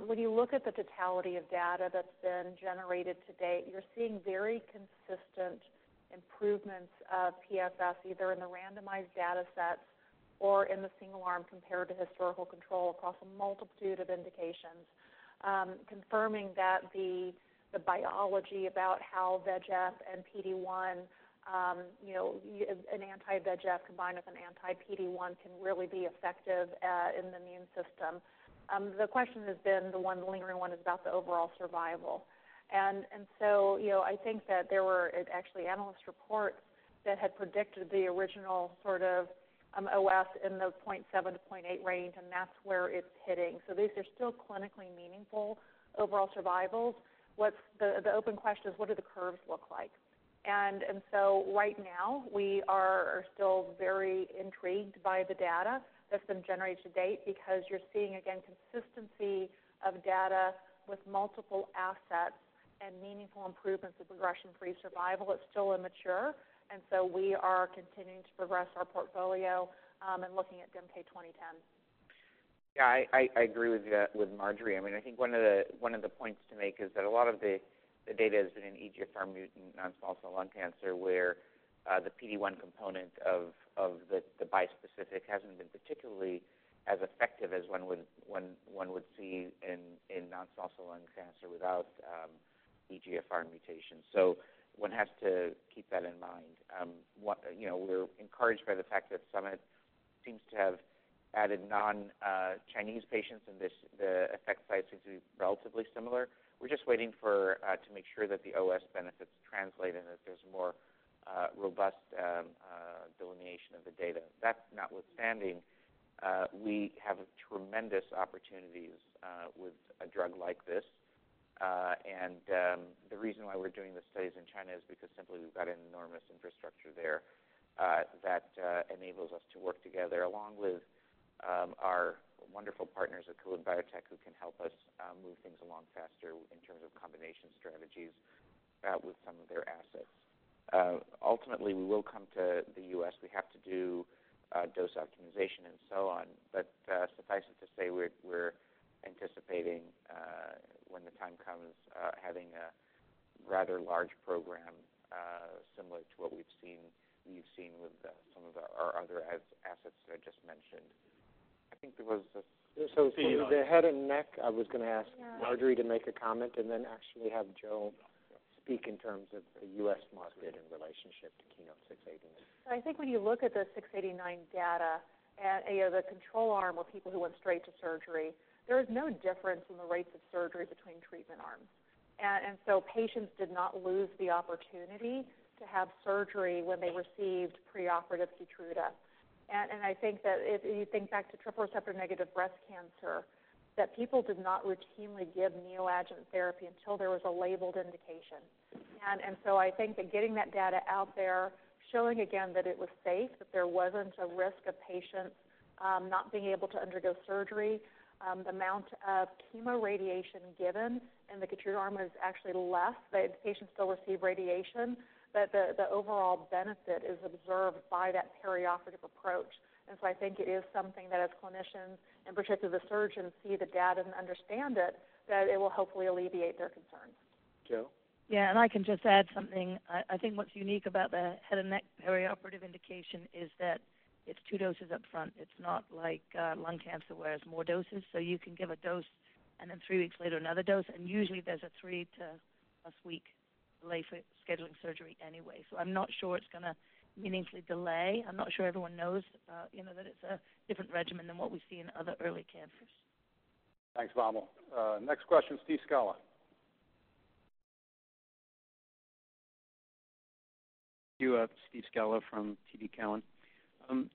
When you look at the totality of data that's been generated to date, you're seeing very consistent improvements of PFS either in the randomized data sets or in the single arm compared to historical control across a multitude of indications, confirming that the biology about how VEGF and PD-1, an anti-VEGF combined with an anti-PD-1, can really be effective in the immune system. The question has been, the lingering one is about the overall survival. I think that there were actually analyst reports that had predicted the original sort of OS in the 0.7-0.8 range, and that's where it's hitting. These are still clinically meaningful overall survivals. The open question is, what do the curves look like? Right now, we are still very intrigued by the data that's been generated to date because you're seeing, again, consistency of data with multiple assets and meaningful improvements of progression-free survival. It's still immature, and we are continuing to progress our portfolio and looking at MK-2010. Yeah, I agree with Marjorie. I mean, I think one of the points to make is that a lot of the data has been in EGFR mutant non-small cell lung cancer where the PD-1 component of the bispecific hasn't been particularly as effective as one would see in non-small cell lung cancer without EGFR mutation. You have to keep that in mind. We're encouraged by the fact that Summit seems to have added non-Chinese patients, and the effect size seems to be relatively similar. We're just waiting to make sure that the OS benefits translate and that there's more robust delineation of the data. That notwithstanding, we have tremendous opportunities with a drug like this. The reason why we're doing the studies in China is because simply we've got an enormous infrastructure there that enables us to work together along with our wonderful partners at Kelun-Biotech who can help us move things along faster in terms of combination strategies with some of their assets. Ultimately, we will come to the U.S. We have to do dose optimization and so on. Suffice it to say, we're anticipating when the time comes having a rather large program similar to what we've seen with some of our other assets that I just mentioned. I think there was a follow-up. The head and neck, I was going to ask Marjorie to make a comment and then actually have Jo speak in terms of the US market in relationship to KEYNOTE-689. I think when you look at the 689 data, the control arm were people who went straight to surgery. There is no difference in the rates of surgery between treatment arms. Patients did not lose the opportunity to have surgery when they received preoperative KEYTRUDA. I think that if you think back to triple receptor negative breast cancer, people did not routinely give neoadjuvant therapy until there was a labeled indication. I think that getting that data out there, showing again that it was safe, that there was not a risk of patients not being able to undergo surgery, the amount of chemoradiation given in the KEYTRUDA arm was actually less. The patients still received radiation, but the overall benefit is observed by that perioperative approach. I think it is something that as clinicians and particularly the surgeons see the data and understand it, that it will hopefully alleviate their concerns. Jo? Yeah, and I can just add something. I think what's unique about the head and neck perioperative indication is that it's two doses up front. It's not like lung cancer where it's more doses. You can give a dose and then three weeks later another dose, and usually there's a three to plus week delay for scheduling surgery anyway. I'm not sure it's going to meaningfully delay. I'm not sure everyone knows that it's a different regimen than what we see in other early cancers. Thanks. [AUDIO DISTORTION] Next question, Steve Scala. Thank you, Steve Scala from TD Cowen.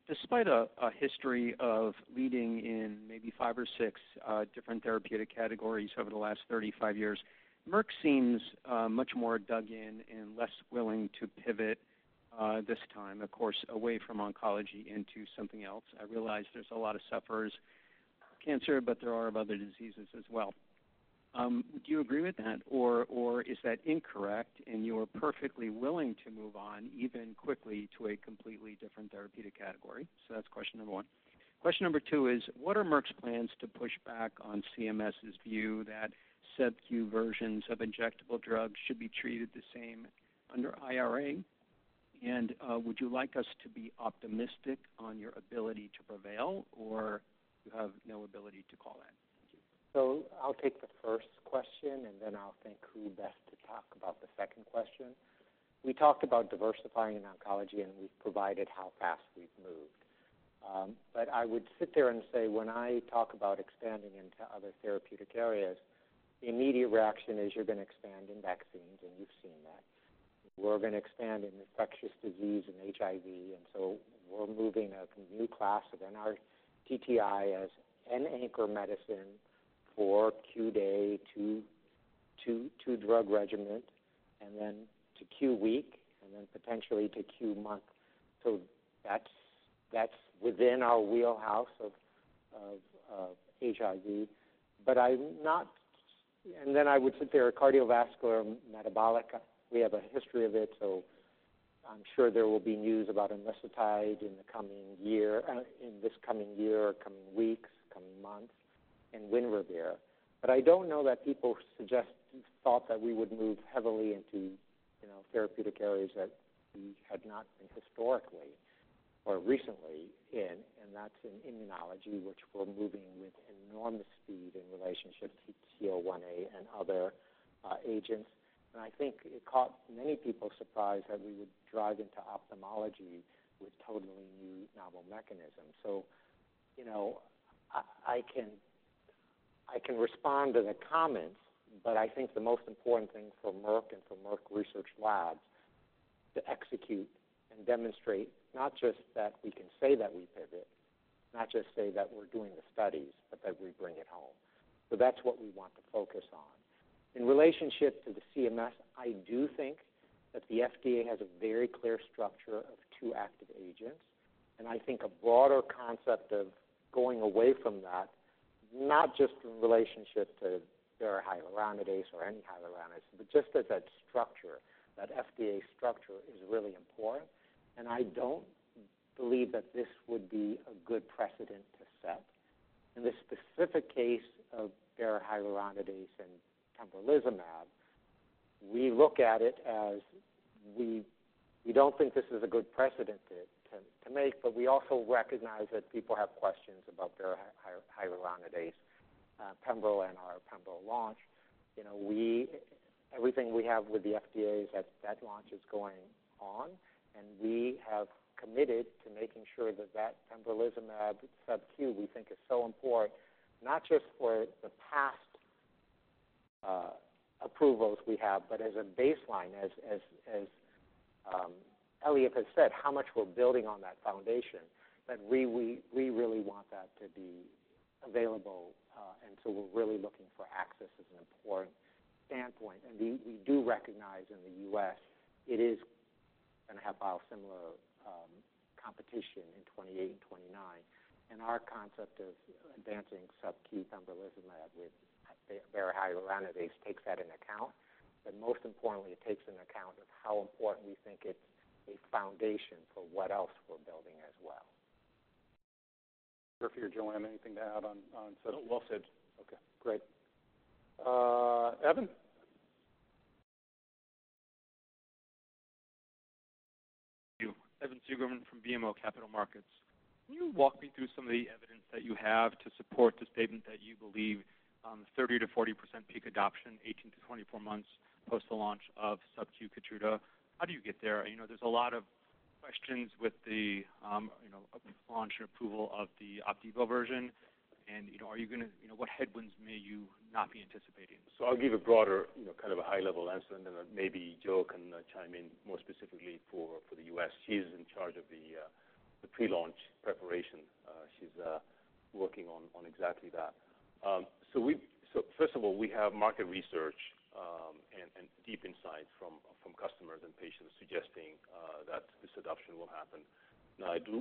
Despite a history of leading in maybe five or six different therapeutic categories over the last 35 years, Merck seems much more dug in and less willing to pivot this time, of course, away from oncology into something else. I realize there's a lot of sufferers of cancer, but there are of other diseases as well. Do you agree with that, or is that incorrect in your perfectly willing to move on even quickly to a completely different therapeutic category? That is question number one. Question number two is, what are Merck's plans to push back on CMS's view that subcu versions of injectable drugs should be treated the same under IRA? Would you like us to be optimistic on your ability to prevail, or do you have no ability to call that? I'll take the first question, and then I'll think who best to talk about the second question. We talked about diversifying in oncology, and we've provided how fast we've moved. I would sit there and say when I talk about expanding into other therapeutic areas, the immediate reaction is you're going to expand in vaccines, and you've seen that. We're going to expand in infectious disease and HIV, and so we're moving a new class of NRTTI as an anchor medicine for Q day to Q drug regimen, and then to Q week, and then potentially to Q month. That's within our wheelhouse of HIV. I'm not, and then I would sit there at cardiovascular metabolic. We have a history of it, so I'm sure there will be news about imbecitide in the coming year, in this coming year, coming weeks, coming months, and when we're there. I don't know that people suggested thought that we would move heavily into therapeutic areas that we had not been historically or recently in, and that's in immunology, which we're moving with enormous speed in relationship to CO1A and other agents. I think it caught many people surprised that we would drive into ophthalmology with totally new novel mechanisms. I can respond to the comments, but I think the most important thing for Merck and for Merck Research Labs is to execute and demonstrate not just that we can say that we pivot, not just say that we're doing the studies, but that we bring it home. That's what we want to focus on. In relationship to the CMS, I do think that the FDA has a very clear structure of two active agents, and I think a broader concept of going away from that, not just in relationship to barahyaluronidase or any hyaluronidase, but just as that structure, that FDA structure is really important. I don't believe that this would be a good precedent to set. In the specific case of barahyaluronidase and pembrolizumab, we look at it as we don't think this is a good precedent to make, but we also recognize that people have questions about barahyaluronidase. Pembrol and our pembrol launch, everything we have with the FDA is that that launch is going on, and we have committed to making sure that that pembrolizumab subcu we think is so important, not just for the past approvals we have, but as a baseline, as Eliav has said, how much we're building on that foundation. We really want that to be available, and we are really looking for access as an important standpoint. We do recognize in the U.S. it is going to have biosimilar competition in 2028 and 2029, and our concept of advancing subcu pembrolizumab with barahyaluronidase takes that into account. Most importantly, it takes into account how important we think it's a foundation for what else we're building as well. Thank you for your Joanne. Anything to add on? No, well said. Okay. Great. Evan? Thank you. Evan Seigerman from BMO Capital Markets. Can you walk me through some of the evidence that you have to support the statement that you believe 30%-40% peak adoption, 18-24 months post the launch of subcu KEYTRUDA? How do you get there? There's a lot of questions with the launch and approval of the OPDIVO version, and are you going to what headwinds may you not be anticipating? I'll give a broader kind of a high-level answer, and then maybe Jo can chime in more specifically for the U.S. She's in charge of the pre-launch preparation. She's working on exactly that. First of all, we have market research and deep insights from customers and patients suggesting that this adoption will happen. I do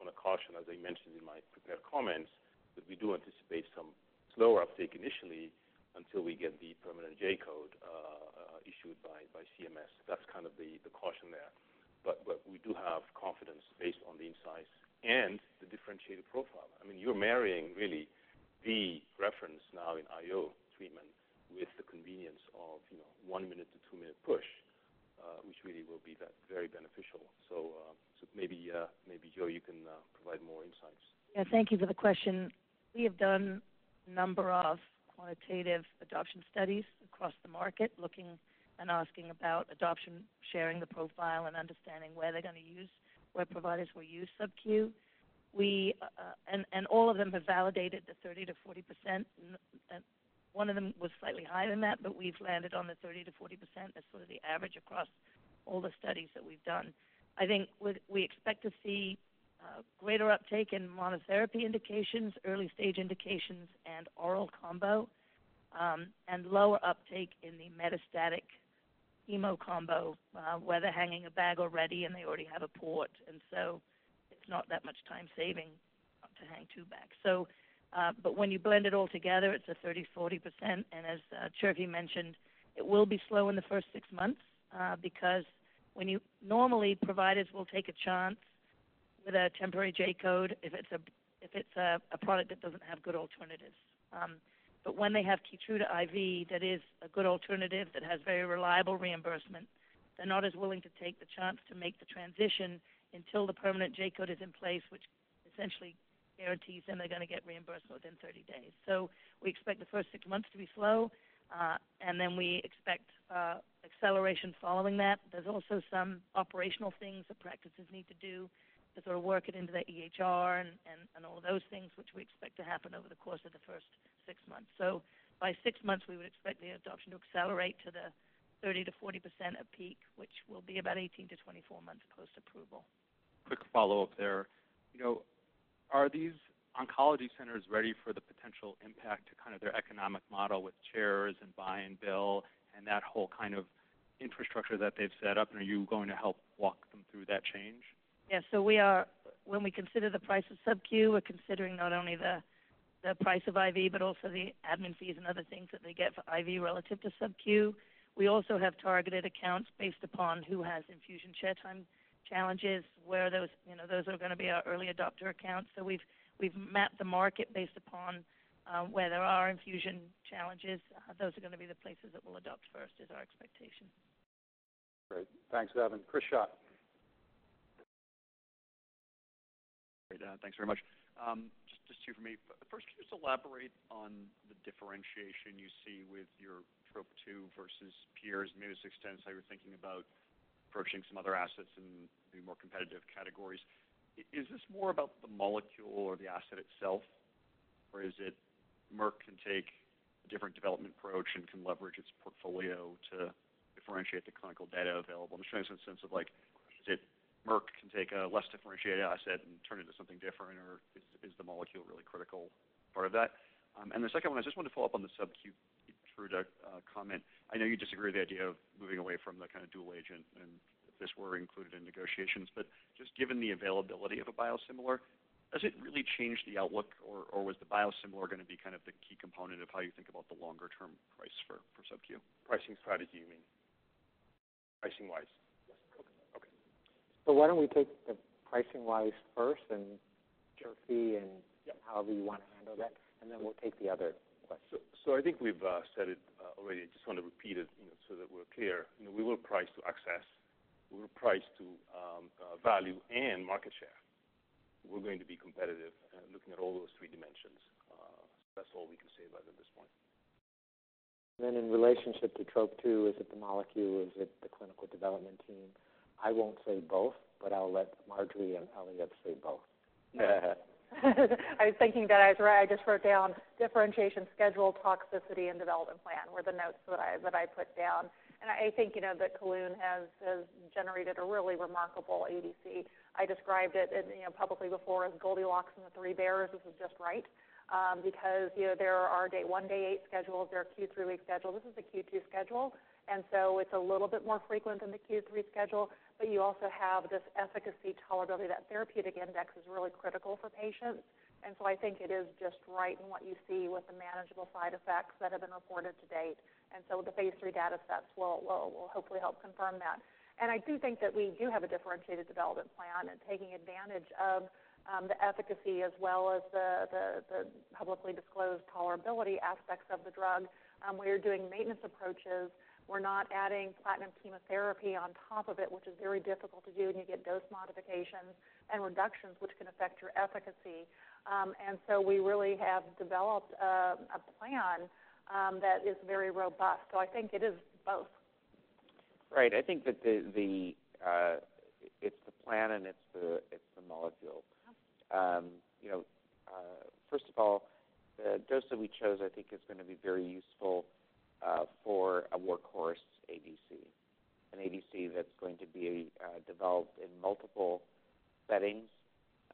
want to caution, as I mentioned in my prepared comments, that we do anticipate some slower uptake initially until we get the permanent J code issued by CMS. That's kind of the caution there. We do have confidence based on the insights and the differentiated profile. I mean, you're marrying really the reference now in IO treatment with the convenience of one minute to two-minute push, which really will be very beneficial. Maybe Jo, you can provide more insights. Yeah, thank you for the question. We have done a number of quantitative adoption studies across the market looking and asking about adoption, sharing the profile, and understanding where they're going to use, where providers will use subcu. All of them have validated the 30%-40%. One of them was slightly higher than that, but we've landed on the 30%-40% as sort of the average across all the studies that we've done. I think we expect to see greater uptake in monotherapy indications, early-stage indications, and oral combo, and lower uptake in the metastatic chemo combo, where they're hanging a bag already and they already have a port. It's not that much time saving to hang two bags. When you blend it all together, it's a 30%-40%. As Chirfi mentioned, it will be slow in the first six months because normally providers will take a chance with a temporary J code if it's a product that doesn't have good alternatives. If they have KEYTRUDA IV that is a good alternative that has very reliable reimbursement, they're not as willing to take the chance to make the transition until the permanent J code is in place, which essentially guarantees them they're going to get reimbursed within 30 days. We expect the first six months to be slow, and then we expect acceleration following that. There are also some operational things that practices need to do to sort of work it into the EHR and all of those things, which we expect to happen over the course of the first six months. By six months, we would expect the adoption to accelerate to the 30%-40% of peak, which will be about 18-24 months post-approval. Quick follow-up there. Are these oncology centers ready for the potential impact to kind of their economic model with chairs and buy-and-bill and that whole kind of infrastructure that they've set up? Are you going to help walk them through that change? Yeah, so when we consider the price of subcu, we're considering not only the price of IV, but also the admin fees and other things that they get for IV relative to subcu. We also have targeted accounts based upon who has infusion chair time challenges, where those are going to be our early adopter accounts. We have mapped the market based upon where there are infusion challenges. Those are going to be the places that we'll adopt first is our expectation. Great. Thanks, Evan. Chris Schott. Great. Thanks very much. Just two from me. First, can you just elaborate on the differentiation you see with your TROP2 versus peers? Maybe this extends how you're thinking about approaching some other assets in more competitive categories. Is this more about the molecule or the asset itself, or is it Merck can take a different development approach and can leverage its portfolio to differentiate the clinical data available? I'm just trying to get some sense of like is it Merck can take a less differentiated asset and turn it into something different, or is the molecule really critical part of that? The second one, I just wanted to follow up on the subcu KEYTRUDA comment. I know you disagree with the idea of moving away from the kind of dual agent and if this were included in negotiations, but just given the availability of a biosimilar, does it really change the outlook, or was the biosimilar going to be kind of the key component of how you think about the longer-term price for subcu? Pricing strategy, you mean? Pricing-wise? Yes. Okay. Why don't we take the pricing-wise first and fee and however you want to handle that, and then we'll take the other questions. I think we've said it already. I just want to repeat it so that we're clear. We will price to access. We will price to value and market share. We're going to be competitive looking at all those three dimensions. That's all we can say about it at this point. In relationship to TROP2, is it the molecule or is it the clinical development team? I won't say both, but I'll let Marjorie and Eliav say both. I was thinking that I just wrote down differentiation, schedule, toxicity, and development plan were the notes that I put down. I think that Kelun has generated a really remarkable ADC. I described it publicly before as Goldilocks and the Three Bears. This is just right because there are day one, day eight schedules. There are Q3 week schedules. This is a Q2 schedule, and it is a little bit more frequent than the Q3 schedule. You also have this efficacy, tolerability. That therapeutic index is really critical for patients. I think it is just right in what you see with the manageable side effects that have been reported to date. The phase III data sets will hopefully help confirm that. I do think that we do have a differentiated development plan and taking advantage of the efficacy as well as the publicly disclosed tolerability aspects of the drug. We are doing maintenance approaches. We're not adding platinum chemotherapy on top of it, which is very difficult to do, and you get dose modifications and reductions, which can affect your efficacy. We really have developed a plan that is very robust. I think it is both. Right. I think that it's the plan and it's the molecule. First of all, the dose that we chose, I think, is going to be very useful for a workhorse ADC, an ADC that's going to be developed in multiple settings,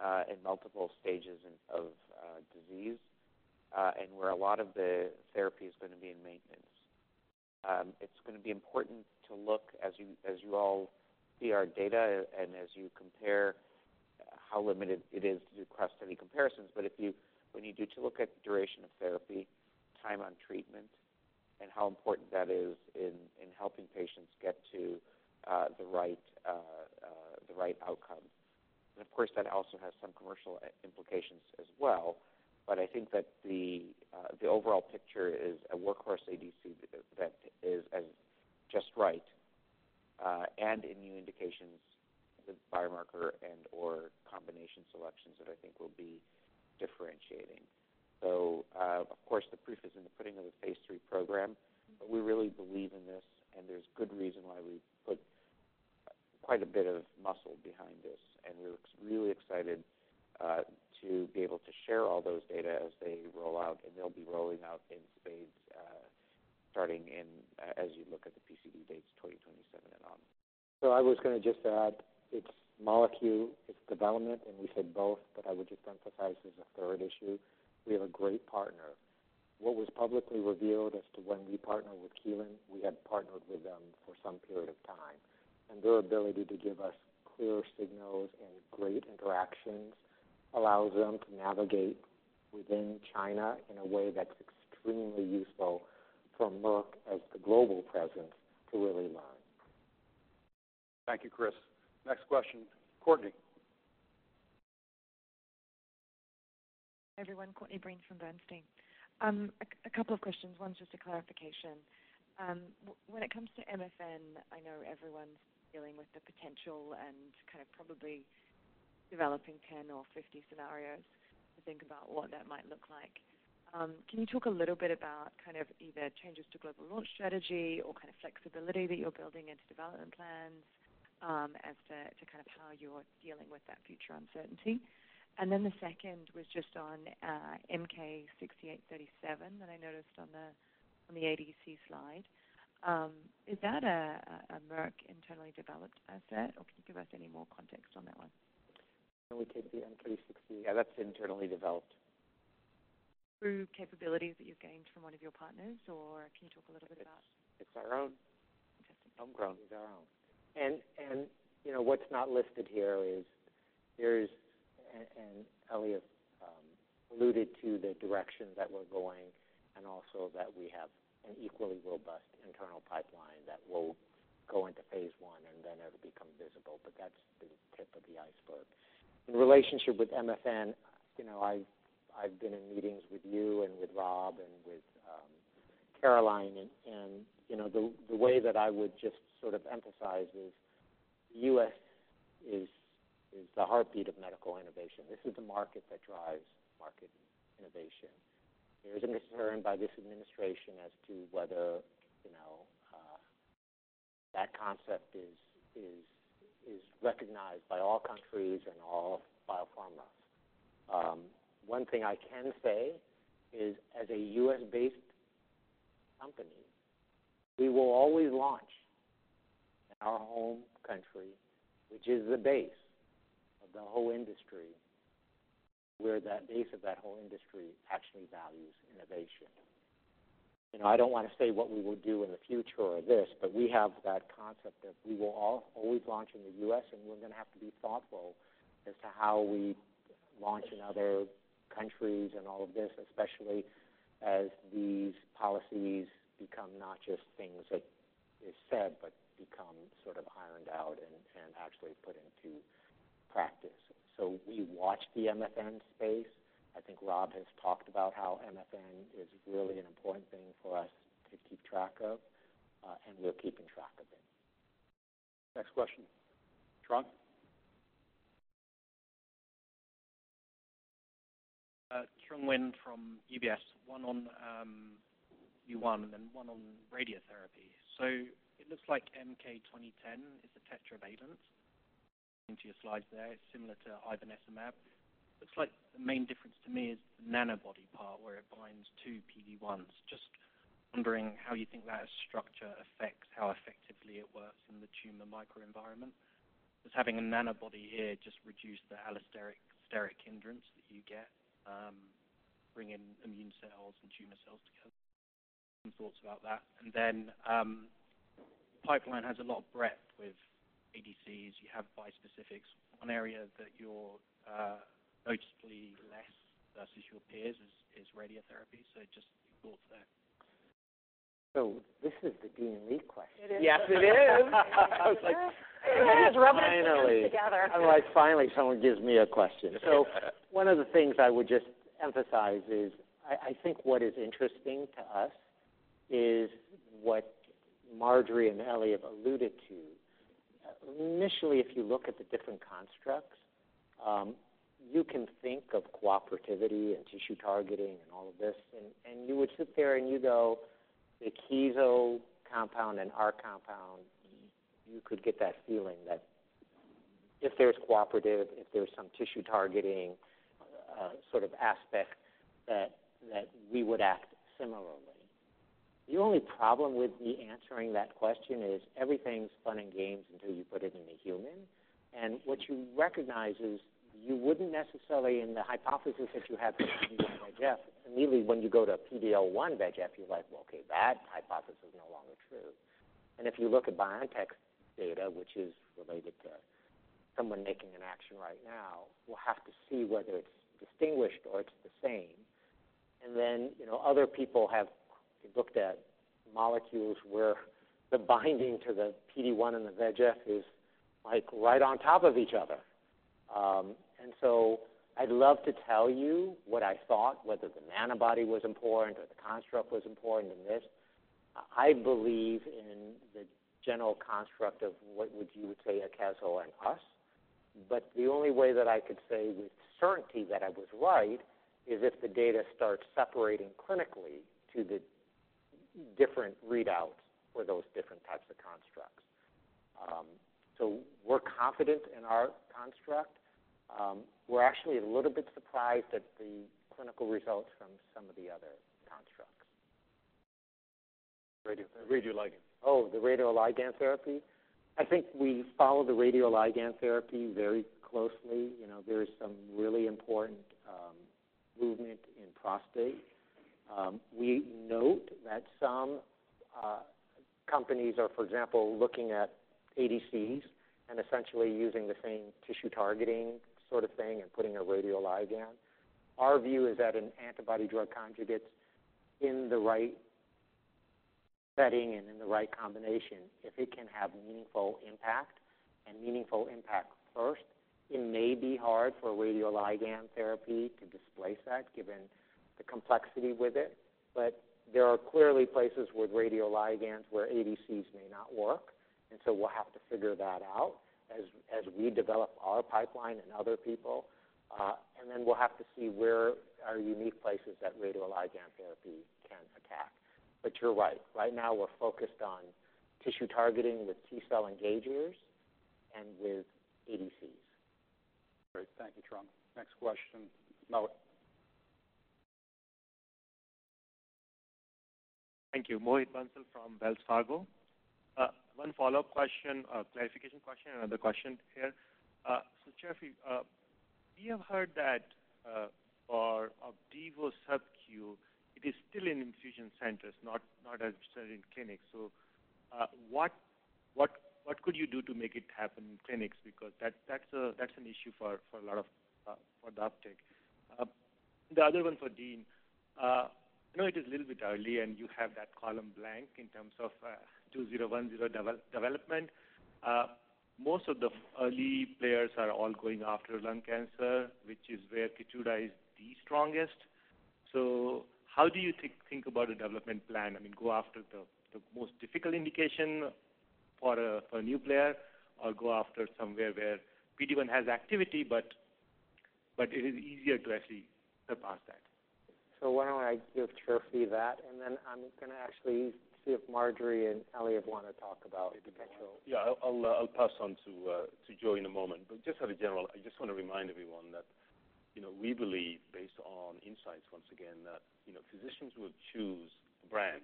in multiple stages of disease, and where a lot of the therapy is going to be in maintenance. It's going to be important to look, as you all see our data and as you compare how limited it is to do cross-study comparisons, but when you do look at duration of therapy, time on treatment, and how important that is in helping patients get to the right outcome. Of course, that also has some commercial implications as well. I think that the overall picture is a workhorse ADC that is just right and in new indications with biomarker and/or combination selections that I think will be differentiating. Of course, the proof is in the putting of the phase III program, but we really believe in this, and there's good reason why we put quite a bit of muscle behind this. We're really excited to be able to share all those data as they roll out, and they'll be rolling out in spades starting as you look at the PCD dates 2027 and on. I was going to just add it's molecule, it's development, and we said both, but I would just emphasize as a third issue, we have a great partner. What was publicly revealed as to when we partnered with Kelun-Biotech, we had partnered with them for some period of time. Their ability to give us clear signals and great interactions allows them to navigate within China in a way that's extremely useful for Merck as the global presence to really learn. Thank you, Chris. Next question. Courtney. Hi everyone. Courtney Brinch from Bernstein. A couple of questions. One's just a clarification. When it comes to MFN, I know everyone's dealing with the potential and kind of probably developing 10 or 50 scenarios to think about what that might look like. Can you talk a little bit about kind of either changes to global launch strategy or kind of flexibility that you're building into development plans as to kind of how you're dealing with that future uncertainty? The second was just on MK-6837 that I noticed on the ADC slide. Is that a Merck internally developed asset, or can you give us any more context on that one? Can we take the [MK-6837]? Yeah, that's internally developed. Through capabilities that you've gained from one of your partners, or can you talk a little bit about? It's our own. Homegrown. It's our own. What's not listed here is, and Eliav alluded to the direction that we're going, and also that we have an equally robust internal pipeline that will go into phase I and then it'll become visible. That's the tip of the iceberg. In relationship with MFN, I've been in meetings with you and with Rob and with Caroline. The way that I would just sort of emphasize is the U.S. is the heartbeat of medical innovation. This is the market that drives market innovation. There is a concern by this administration as to whether that concept is recognized by all countries and all biopharmas. One thing I can say is, as a U.S.-based company, we will always launch in our home country, which is the base of the whole industry, where that base of that whole industry actually values innovation. I don't want to say what we will do in the future or this, but we have that concept that we will always launch in the U.S., and we're going to have to be thoughtful as to how we launch in other countries and all of this, especially as these policies become not just things that are said, but become sort of ironed out and actually put into practice. We watch the MFN space. I think Rob has talked about how MFN is really an important thing for us to keep track of, and we're keeping track of it. Next question. Trung? Trung Huynh from UBS. One on Q1 and then one on radiotherapy. It looks like MK-2010 is the tetravalent. Into your slides there. It's similar to ibmesumab. It looks like the main difference to me is the nanobody part where it binds two PD-1s. Just wondering how you think that structure affects how effectively it works in the tumor microenvironment. Just having a nanobody here just reduces the allosteric-steric hindrance that you get, bringing immune cells and tumor cells together. Some thoughts about that. The pipeline has a lot of breadth with ADCs. You have bispecifics. One area that you're noticeably less versus your peers is radiotherapy. Just thoughts there. This is the Dean Li question. It is. Yes, it is. I was like, finally. It is rubbing its face together. I'm like, finally, someone gives me a question. One of the things I would just emphasize is I think what is interesting to us is what Marjorie and Eliav alluded to. Initially, if you look at the different constructs, you can think of cooperativity and tissue targeting and all of this. You would sit there and you go, the Kezo compound and our compound, you could get that feeling that if there's cooperative, if there's some tissue targeting sort of aspect, that we would act similarly. The only problem with me answering that question is everything's fun and games until you put it in a human. What you recognize is you wouldn't necessarily in the hypothesis that you have in the, [AUDIO DISTORTION] immediately when you go to a PD-L1 VEGF, you're like, okay, that hypothesis is no longer true. If you look at BioNTech's data, which is related to someone making an action right now, we'll have to see whether it's distinguished or it's the same. Other people have looked at molecules where the binding to the PD-1 and the VEGF is like right on top of each other. I'd love to tell you what I thought, whether the nanobody was important or the construct was important or this. I believe in the general construct of what you would say a Kezo and us. The only way that I could say with certainty that I was right is if the data starts separating clinically to the different readouts for those different types of constructs. We're confident in our construct. We're actually a little bit surprised at the clinical results from some of the other constructs. Radioligands. Oh, the radioligand therapy. I think we follow the radioligand therapy very closely. There is some really important movement in prostate. We note that some companies are, for example, looking at ADCs and essentially using the same tissue targeting sort of thing and putting a radioligand. Our view is that an antibody-drug conjugate in the right setting and in the right combination, if it can have meaningful impact and meaningful impact first, it may be hard for a radioligand therapy to displace that given the complexity with it. There are clearly places with radioligands where ADCs may not work. We will have to figure that out as we develop our pipeline and other people. We will have to see where our unique places that radioligand therapy can attack. But you're right. Right now, we're focused on tissue targeting with T-cell engagers and with ADCs. Great. Thank you, Trung. Next question. Mohit. Thank you. Mohit Bansal from Wells Fargo. One follow-up question, clarification question, and another question here. Chirfi, we have heard that for OPDIVO subcu, it is still in infusion centers, not as in clinics. What could you do to make it happen in clinics? That is an issue for a lot of the uptake. The other one for Dean, I know it is a little bit early and you have that column blank in terms of 2010 development. Most of the early players are all going after lung cancer, which is where KEYTRUDA is the strongest. How do you think about a development plan? I mean, go after the most difficult indication for a new player or go after somewhere where PD-1 has activity, but it is easier to actually surpass that? Why don't I give Chirfi that, and then I'm going to actually see if Marjorie and Eliav want to talk about potential. Yeah, I'll pass on to Jo in a moment. I just want to remind everyone that we believe, based on insights once again, that physicians will choose a brand.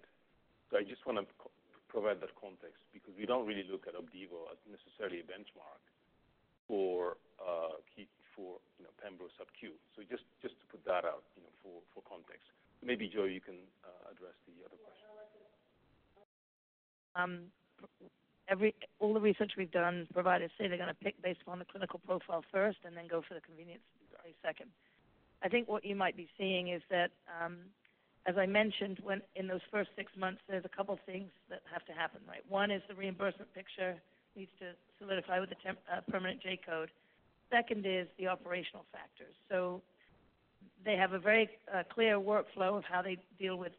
I just want to provide that context because we do not really look at OPDIVO as necessarily a benchmark for pembro subcu. Just to put that out for context. Maybe Jo, you can address the other question. All the research we've done, providers say they're going to pick based on the clinical profile first and then go for the convenience second. I think what you might be seeing is that, as I mentioned, in those first six months, there's a couple of things that have to happen. One is the reimbursement picture needs to solidify with the permanent J code. Second is the operational factors. They have a very clear workflow of how they deal with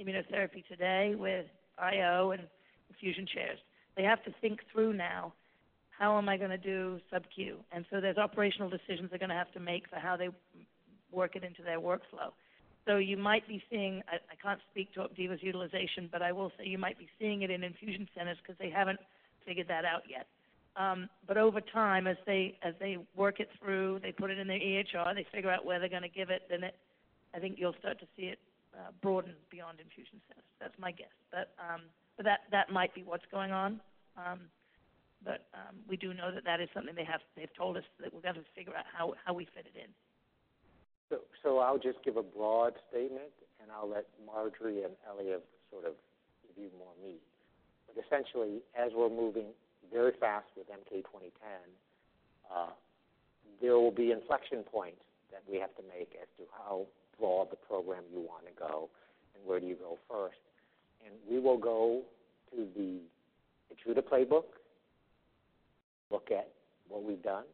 immunotherapy today with IO and infusion chairs. They have to think through now, how am I going to do subcu? There are operational decisions they're going to have to make for how they work it into their workflow. You might be seeing, I can't speak to OPDIVO's utilization, but I will say you might be seeing it in infusion centers because they haven't figured that out yet. Over time, as they work it through, they put it in their EHR, they figure out where they're going to give it, then I think you'll start to see it broaden beyond infusion centers. That's my guess. That might be what's going on. We do know that that is something they have told us that we're going to figure out how we fit it in. I'll just give a broad statement, and I'll let Marjorie and Eliav sort of give you more meat. Essentially, as we're moving very fast with MK-2010, there will be inflection points that we have to make as to how broad the program you want to go and where do you go first. We will go to the KEYTRUDA playbook, look at what we've done.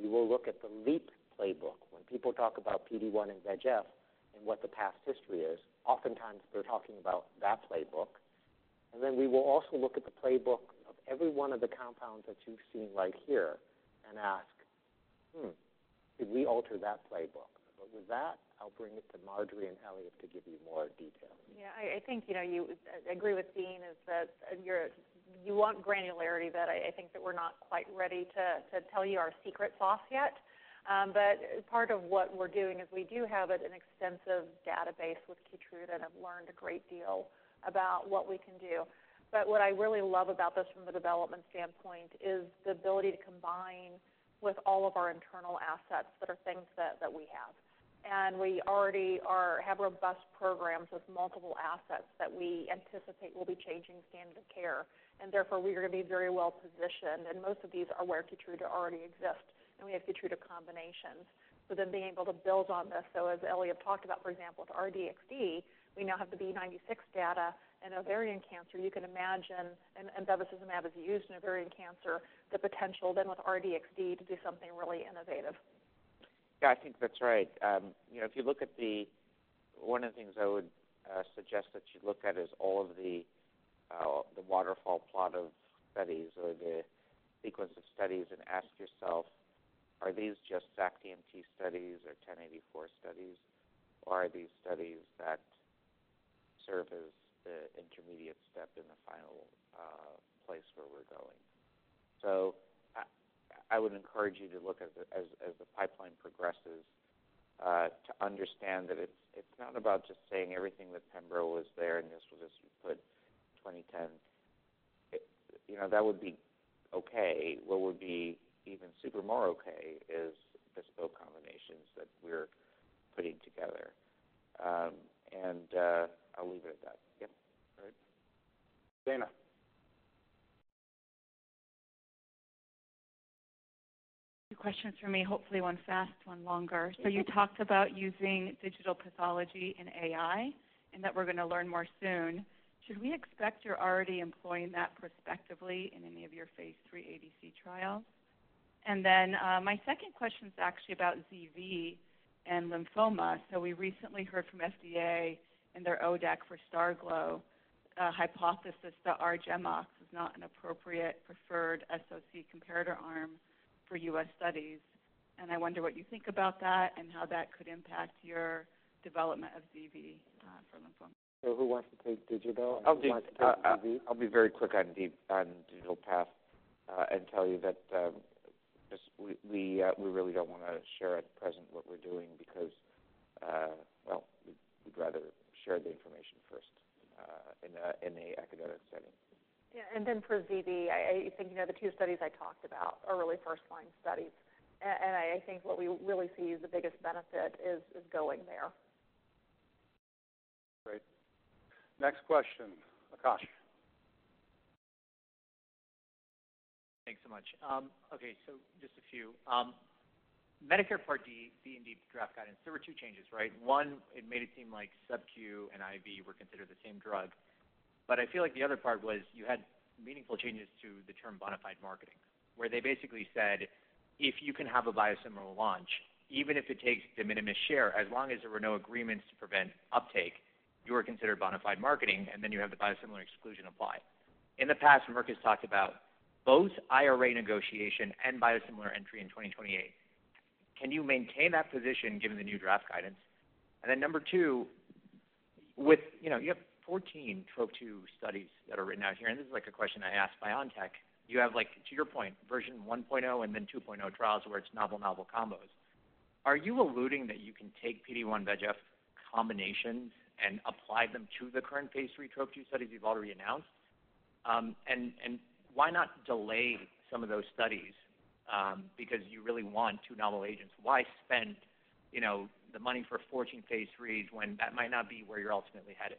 We will look at the LEAP playbook. When people talk about PD-1 and VEGF and what the past history is, oftentimes they're talking about that playbook. We will also look at the playbook of every one of the compounds that you've seen right here and ask, did we alter that playbook? With that, I'll bring it to Marjorie and Eliav to give you more detail. Yeah, I think you agree with Dean is that you want granularity, but I think that we're not quite ready to tell you our secret sauce yet. Part of what we're doing is we do have an extensive database with KEYTRUDA and have learned a great deal about what we can do. What I really love about this from the development standpoint is the ability to combine with all of our internal assets that are things that we have. We already have robust programs with multiple assets that we anticipate will be changing standard of care. Therefore, we are going to be very well positioned. Most of these are where KEYTRUDA already exists. We have KEYTRUDA combinations. Being able to build on this, as Eliav talked about, for example, with R-DXd, we now have the B96 data. Ovarian cancer, you can imagine, and bevacizumab is used in ovarian cancer, the potential then with R-DXd to do something really innovative. Yeah, I think that's right. If you look at the one of the things I would suggest that you look at is all of the waterfall plot of studies or the sequence of studies and ask yourself, are these just sac-TMT studies or 1084 studies? Or are these studies that serve as the intermediate step in the final place where we're going? I would encourage you to look as the pipeline progresses to understand that it's not about just saying everything that pembro was there and this will just put 2010. That would be okay. What would be even super more okay is bespoke combinations that we're putting together. I'll leave it at that. Yep. Daina. Two questions for me, hopefully one fast, one longer. You talked about using digital pathology and AI and that we're going to learn more soon. Should we expect you're already employing that prospectively in any of your phase III ADC trials? My second question is actually about ZV and lymphoma. We recently heard from FDA and their ODAC for StarGlow hypothesis that our GemOx is not an appropriate preferred SOC comparator arm for U.S. studies. I wonder what you think about that and how that could impact your development of ZV for lymphoma. Who wants to take digital? I'll be very quick on digital path and tell you that we really don't want to share at present what we're doing because, well, we'd rather share the information first in an academic setting. Yeah. For ZV, I think the two studies I talked about are really first-line studies. I think what we really see is the biggest benefit is going there. Great. Next question. Josh. Thanks so much. Okay, so just a few. Medicare Part D, [AUDIO DISTORTION] draft guidance, there were two changes, right? One, it made it seem like subcu and IV were considered the same drug. I feel like the other part was you had meaningful changes to the term bonafide marketing, where they basically said, if you can have a biosimilar launch, even if it takes de minimis share, as long as there were no agreements to prevent uptake, you were considered bonafide marketing, and then you have the biosimilar exclusion apply. In the past, Merck has talked about both IRA negotiation and biosimilar entry in 2028. Can you maintain that position given the new draft guidance? Number two, you have 14 TROP2 studies that are written out here. This is like a question I asked BioNTech. You have, to your point, version 1.0 and then 2.0 trials where it's novel, novel combos. Are you alluding that you can take PD-1 VEGF combinations and apply them to the current phase III TROP2 studies you've already announced? Why not delay some of those studies because you really want two novel agents? Why spend the money for 14 phase III when that might not be where you're ultimately headed?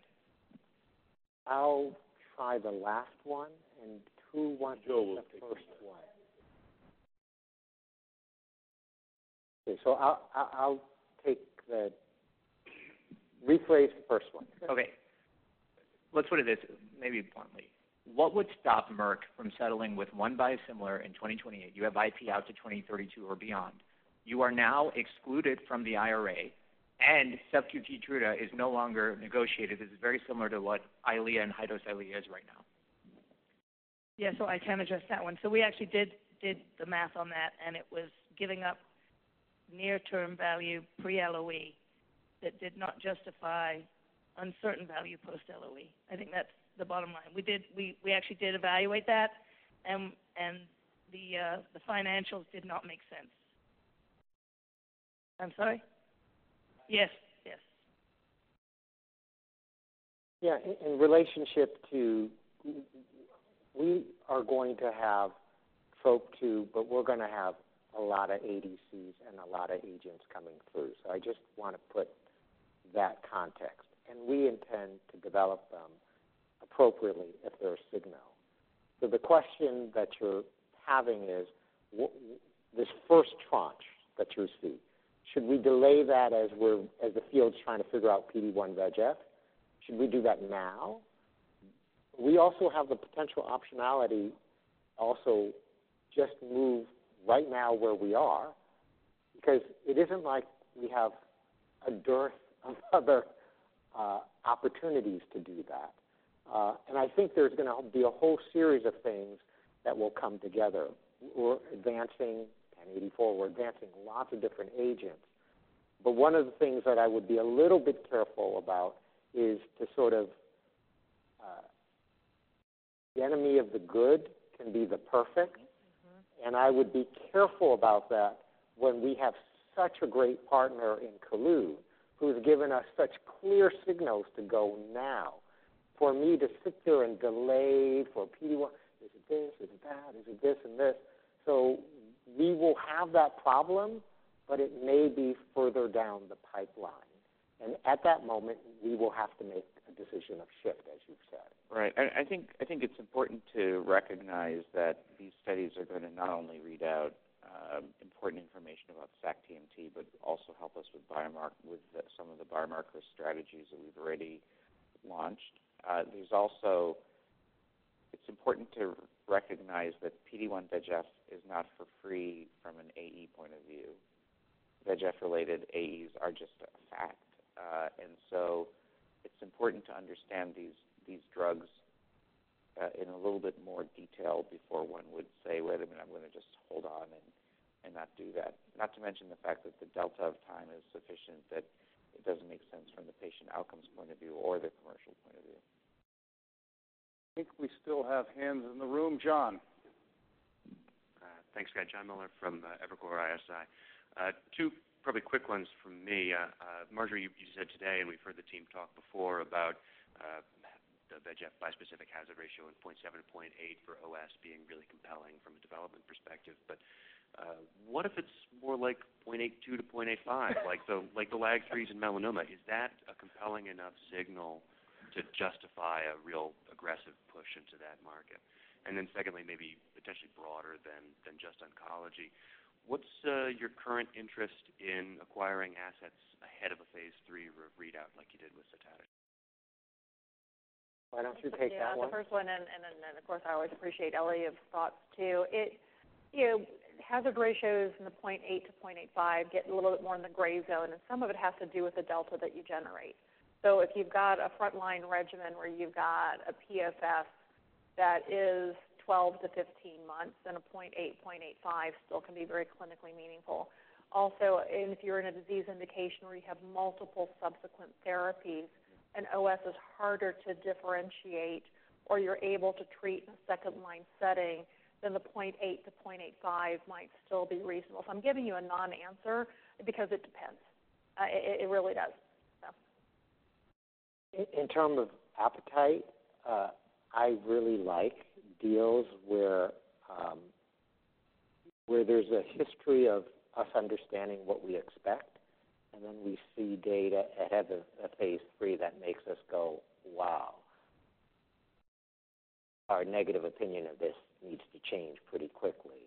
I'll try the last one. Who wants to take the first one? Okay, I'll take the rephrase the first one. Okay. Let's put it this way, maybe bluntly. What would stop Merck from settling with one biosimilar in 2028? You have IP out to 2032 or beyond. You are now excluded from the IRA, and subcu KEYTRUDA is no longer negotiated. This is very similar to what EYLEA and high-dose EYLEA is right now. Yeah, I can address that one. We actually did the math on that, and it was giving up near-term value pre-LOE that did not justify uncertain value post-LOE. I think that's the bottom line. We actually did evaluate that, and the financials did not make sense. I'm sorry? Yes, yes. Yeah, in relationship to we are going to have TROP2, but we're going to have a lot of ADCs and a lot of agents coming through. I just want to put that context. We intend to develop them appropriately if they're a signal. The question that you're having is this first tranche that you receive, should we delay that as the field's trying to figure out PD-1 VEGF? Should we do that now? We also have the potential optionality to just move right now where we are because it isn't like we have a dearth of other opportunities to do that. I think there's going to be a whole series of things that will come together. We're advancing 1084, we're advancing lots of different agents. One of the things that I would be a little bit careful about is to sort of the enemy of the good can be the perfect. I would be careful about that when we have such a great partner in Kelun who has given us such clear signals to go now. For me to sit there and delay for PD-1, is it this, is it that, is it this and this? We will have that problem, but it may be further down the pipeline. At that moment, we will have to make a decision of shift, as you've said. Right. I think it's important to recognize that these studies are going to not only read out important information about sac-TMT, but also help us with some of the biomarker strategies that we've already launched. It's also important to recognize that PD-1 VEGF is not for free from an AE point of view. VEGF-related AEs are just a fact. It's important to understand these drugs in a little bit more detail before one would say, "Well, I'm going to just hold on and not do that." Not to mention the fact that the delta of time is sufficient that it doesn't make sense from the patient outcomes point of view or the commercial point of view. I think we still have hands in the room, John. Thanks, guys. John Miller from Evercore ISI. Two probably quick ones from me. Marjorie, you said today, and we've heard the team talk before about the VEGF bispecific hazard ratio in 0.7-0.8 for OS being really compelling from a development perspective. What if it's more like 0.82-0.85, like the LAG-3s in melanoma? Is that a compelling enough signal to justify a real aggressive push into that market? Secondly, maybe potentially broader than just oncology. What's your current interest in acquiring assets ahead of a phase III readout like you did with? [AUDIO DISTORTION] Why don't you take that one? Yeah, the first one. Of course, I always appreciate Elliott's thoughts too. Hazard ratios in the 0.8-0.85 get a little bit more in the gray zone. Some of it has to do with the delta that you generate. If you've got a frontline regimen where you've got a PFS that is 12-15 months, then a 0.8-0.85 still can be very clinically meaningful. Also, if you're in a disease indication where you have multiple subsequent therapies, and OS is harder to differentiate, or you're able to treat in a second-line setting, then the 0.8-0.85 might still be reasonable. I'm giving you a non-answer because it depends. It really does. In terms of appetite, I really like deals where there's a history of us understanding what we expect, and then we see data ahead of a phase III that makes us go, "Wow." Our negative opinion of this needs to change pretty quickly.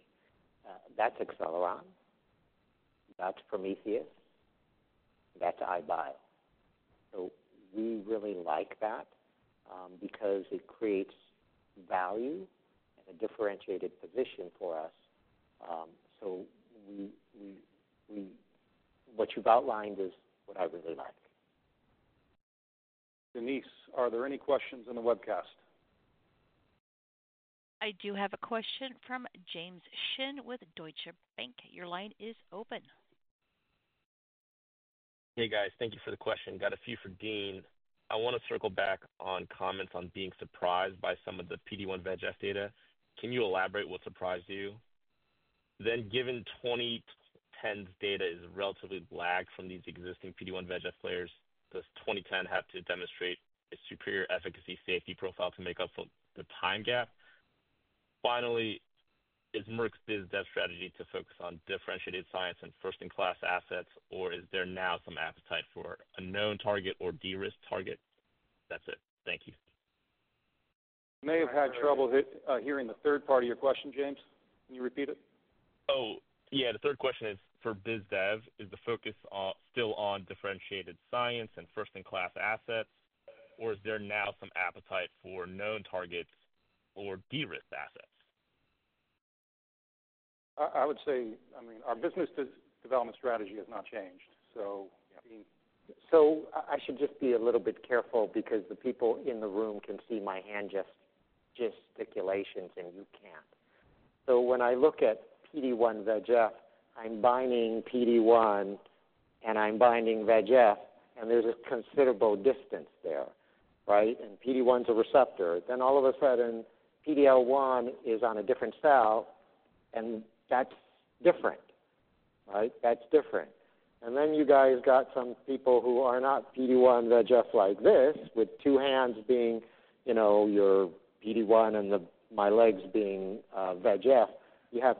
That's Acceleron. That's Prometheus. That's EyeBio. I really like that because it creates value and a differentiated position for us. What you've outlined is what I really like. Denise, are there any questions in the webcast? I do have a question from James Shin with Deutsche Bank. Your line is open. Hey, guys. Thank you for the question. Got a few for Dean. I want to circle back on comments on being surprised by some of the PD-1 VEGF data. Can you elaborate what surprised you? Given 2010's data is relatively lagged from these existing PD-1 VEGF players, does 2010 have to demonstrate a superior efficacy safety profile to make up for the time gap? Finally, is Merck's business strategy to focus on differentiated science and first-in-class assets, or is there now some appetite for a known target or de-risk target? That's it. Thank you. You may have had trouble hearing the third part of your question, James. Can you repeat it? Oh, yeah. The third question is for biz dev. Is the focus still on differentiated science and first-in-class assets, or is there now some appetite for known targets or de-risk assets? I would say, I mean, our business development strategy has not changed. I mean. I should just be a little bit careful because the people in the room can see my hand gesticulations, and you can't. When I look at PD-1 VEGF, I'm binding PD-1, and I'm binding VEGF, and there's a considerable distance there, right? PD-1's a receptor. All of a sudden, PD-L1 is on a different cell, and that's different, right? That's different. You guys got some people who are not PD-1 VEGF like this, with two hands being your PD-1 and my legs being VEGF. You have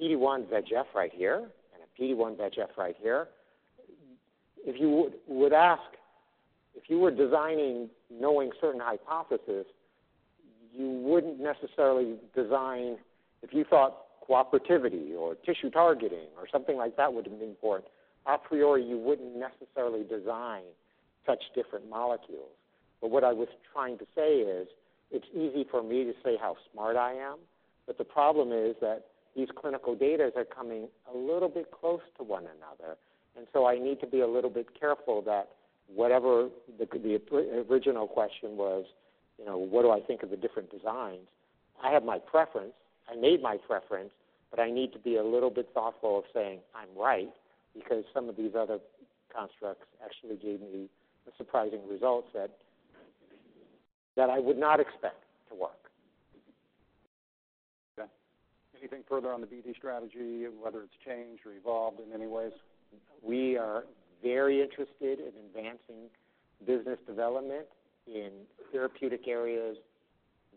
PD-1 VEGF right here and a PD-1 VEGF right here. If you would ask, if you were designing knowing certain hypotheses, you wouldn't necessarily design if you thought cooperativity or tissue targeting or something like that would have been important, a priori, you wouldn't necessarily design such different molecules. What I was trying to say is it's easy for me to say how smart I am, but the problem is that these clinical data are coming a little bit close to one another. I need to be a little bit careful that whatever the original question was, what do I think of the different designs? I have my preference. I made my preference, but I need to be a little bit thoughtful of saying, "I'm right," because some of these other constructs actually gave me surprising results that I would not expect to work. Okay. Anything further on the BD strategy, whether it's changed or evolved in any ways? We are very interested in advancing business development in therapeutic areas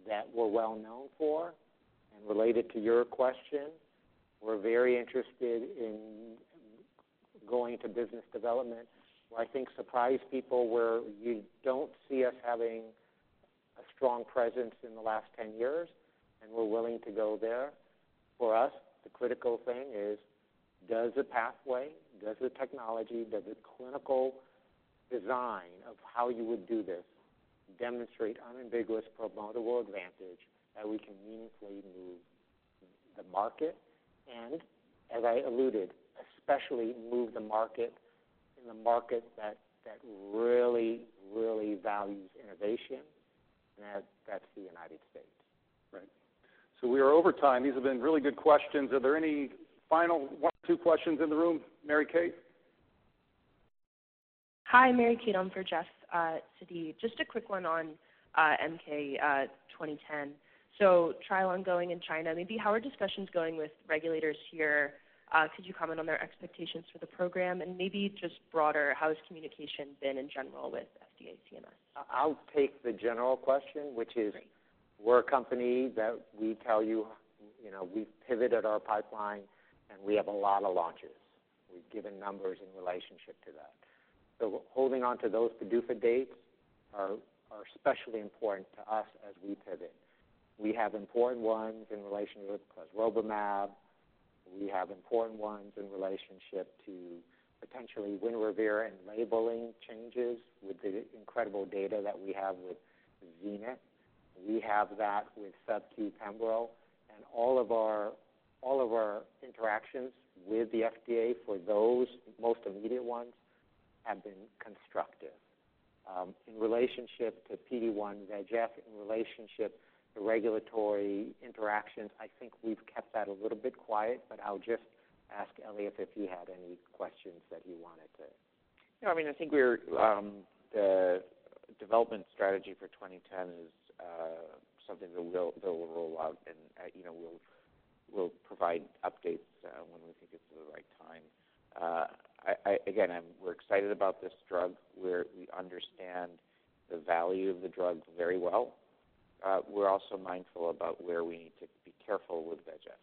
that we're well known for. Related to your question, we're very interested in going to business development. I think surprise people where you don't see us having a strong presence in the last 10 years, and we're willing to go there. For us, the critical thing is, does the pathway, does the technology, does the clinical design of how you would do this demonstrate unambiguous promotable advantage that we can meaningfully move the market? As I alluded, especially move the market in the market that really, really values innovation, and that's the United States. Right. We are over time. These have been really good questions. Are there any final one or two questions in the room? Mary Kate? Hi, Mary Kate. I'm for Jeff's Citi. Just a quick one on MK-2010. Trial ongoing in China. Maybe, how are discussions going with regulators here? Could you comment on their expectations for the program? Maybe just broader, how has communication been in general with FDA and CMS? I'll take the general question, which is we're a company that we tell you we've pivoted our pipeline, and we have a lot of launches. We've given numbers in relationship to that. Holding on to those PDUFA dates are especially important to us as we pivot. We have important ones in relation to zilovertamab. We have important ones in relationship to potentially WINREVAIR and labeling changes with the incredible data that we have with ZENITH. We have that with subcu Pembro. All of our interactions with the FDA for those most immediate ones have been constructive. In relationship to PD-1 VEGF, in relationship to regulatory interactions, I think we've kept that a little bit quiet, but I'll just ask Eliav if he had any questions that he wanted to. Yeah, I mean, I think the development strategy for 2010 is something that we'll roll out, and we'll provide updates when we think it's the right time. Again, we're excited about this drug. We understand the value of the drug very well. We're also mindful about where we need to be careful with VEGF.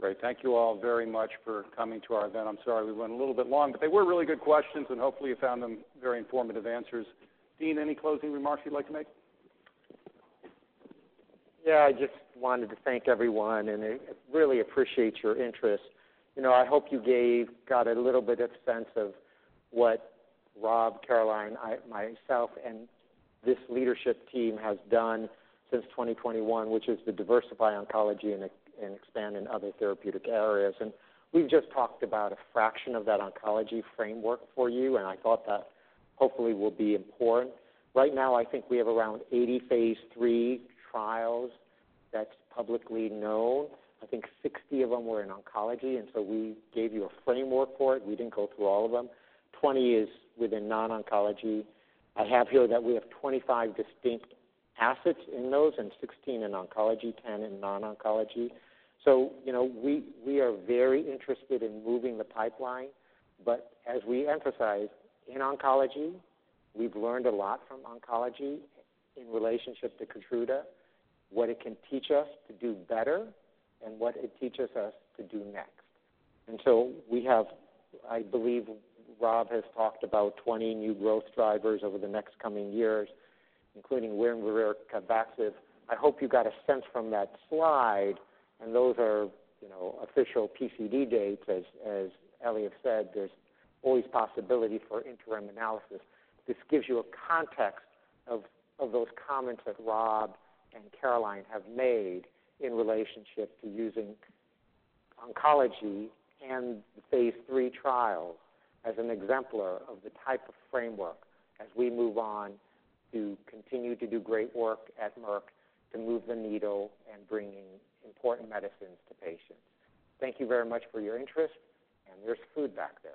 Great. Thank you all very much for coming to our event. I'm sorry we went a little bit long, but they were really good questions, and hopefully you found them very informative answers. Dean, any closing remarks you'd like to make? Yeah, I just wanted to thank everyone and really appreciate your interest. I hope you got a little bit of sense of what Rob, Caroline, myself, and this leadership team has done since 2021, which is to diversify oncology and expand in other therapeutic areas. We have just talked about a fraction of that oncology framework for you, and I thought that hopefully will be important. Right now, I think we have around 80 phase III trials that are publicly known. I think 60 of them were in oncology, and we gave you a framework for it. We did not go through all of them. Twenty is within non-oncology. I have here that we have 25 distinct assets in those and 16 in oncology, 10 in non-oncology. We are very interested in moving the pipeline. As we emphasize, in oncology, we've learned a lot from oncology in relationship to KEYTRUDA, what it can teach us to do better and what it teaches us to do next. We have, I believe Rob has talked about 20 new growth drivers over the next coming years, including WINREVAIR and CAPVAXIVE. I hope you got a sense from that slide, and those are official PCD dates. As Eliav said, there's always possibility for interim analysis. This gives you a context of those comments that Rob and Caroline have made in relationship to using oncology and the phase III trials as an exemplar of the type of framework as we move on to continue to do great work at Merck to move the needle and bring important medicines to patients. Thank you very much for your interest, and there's food back there.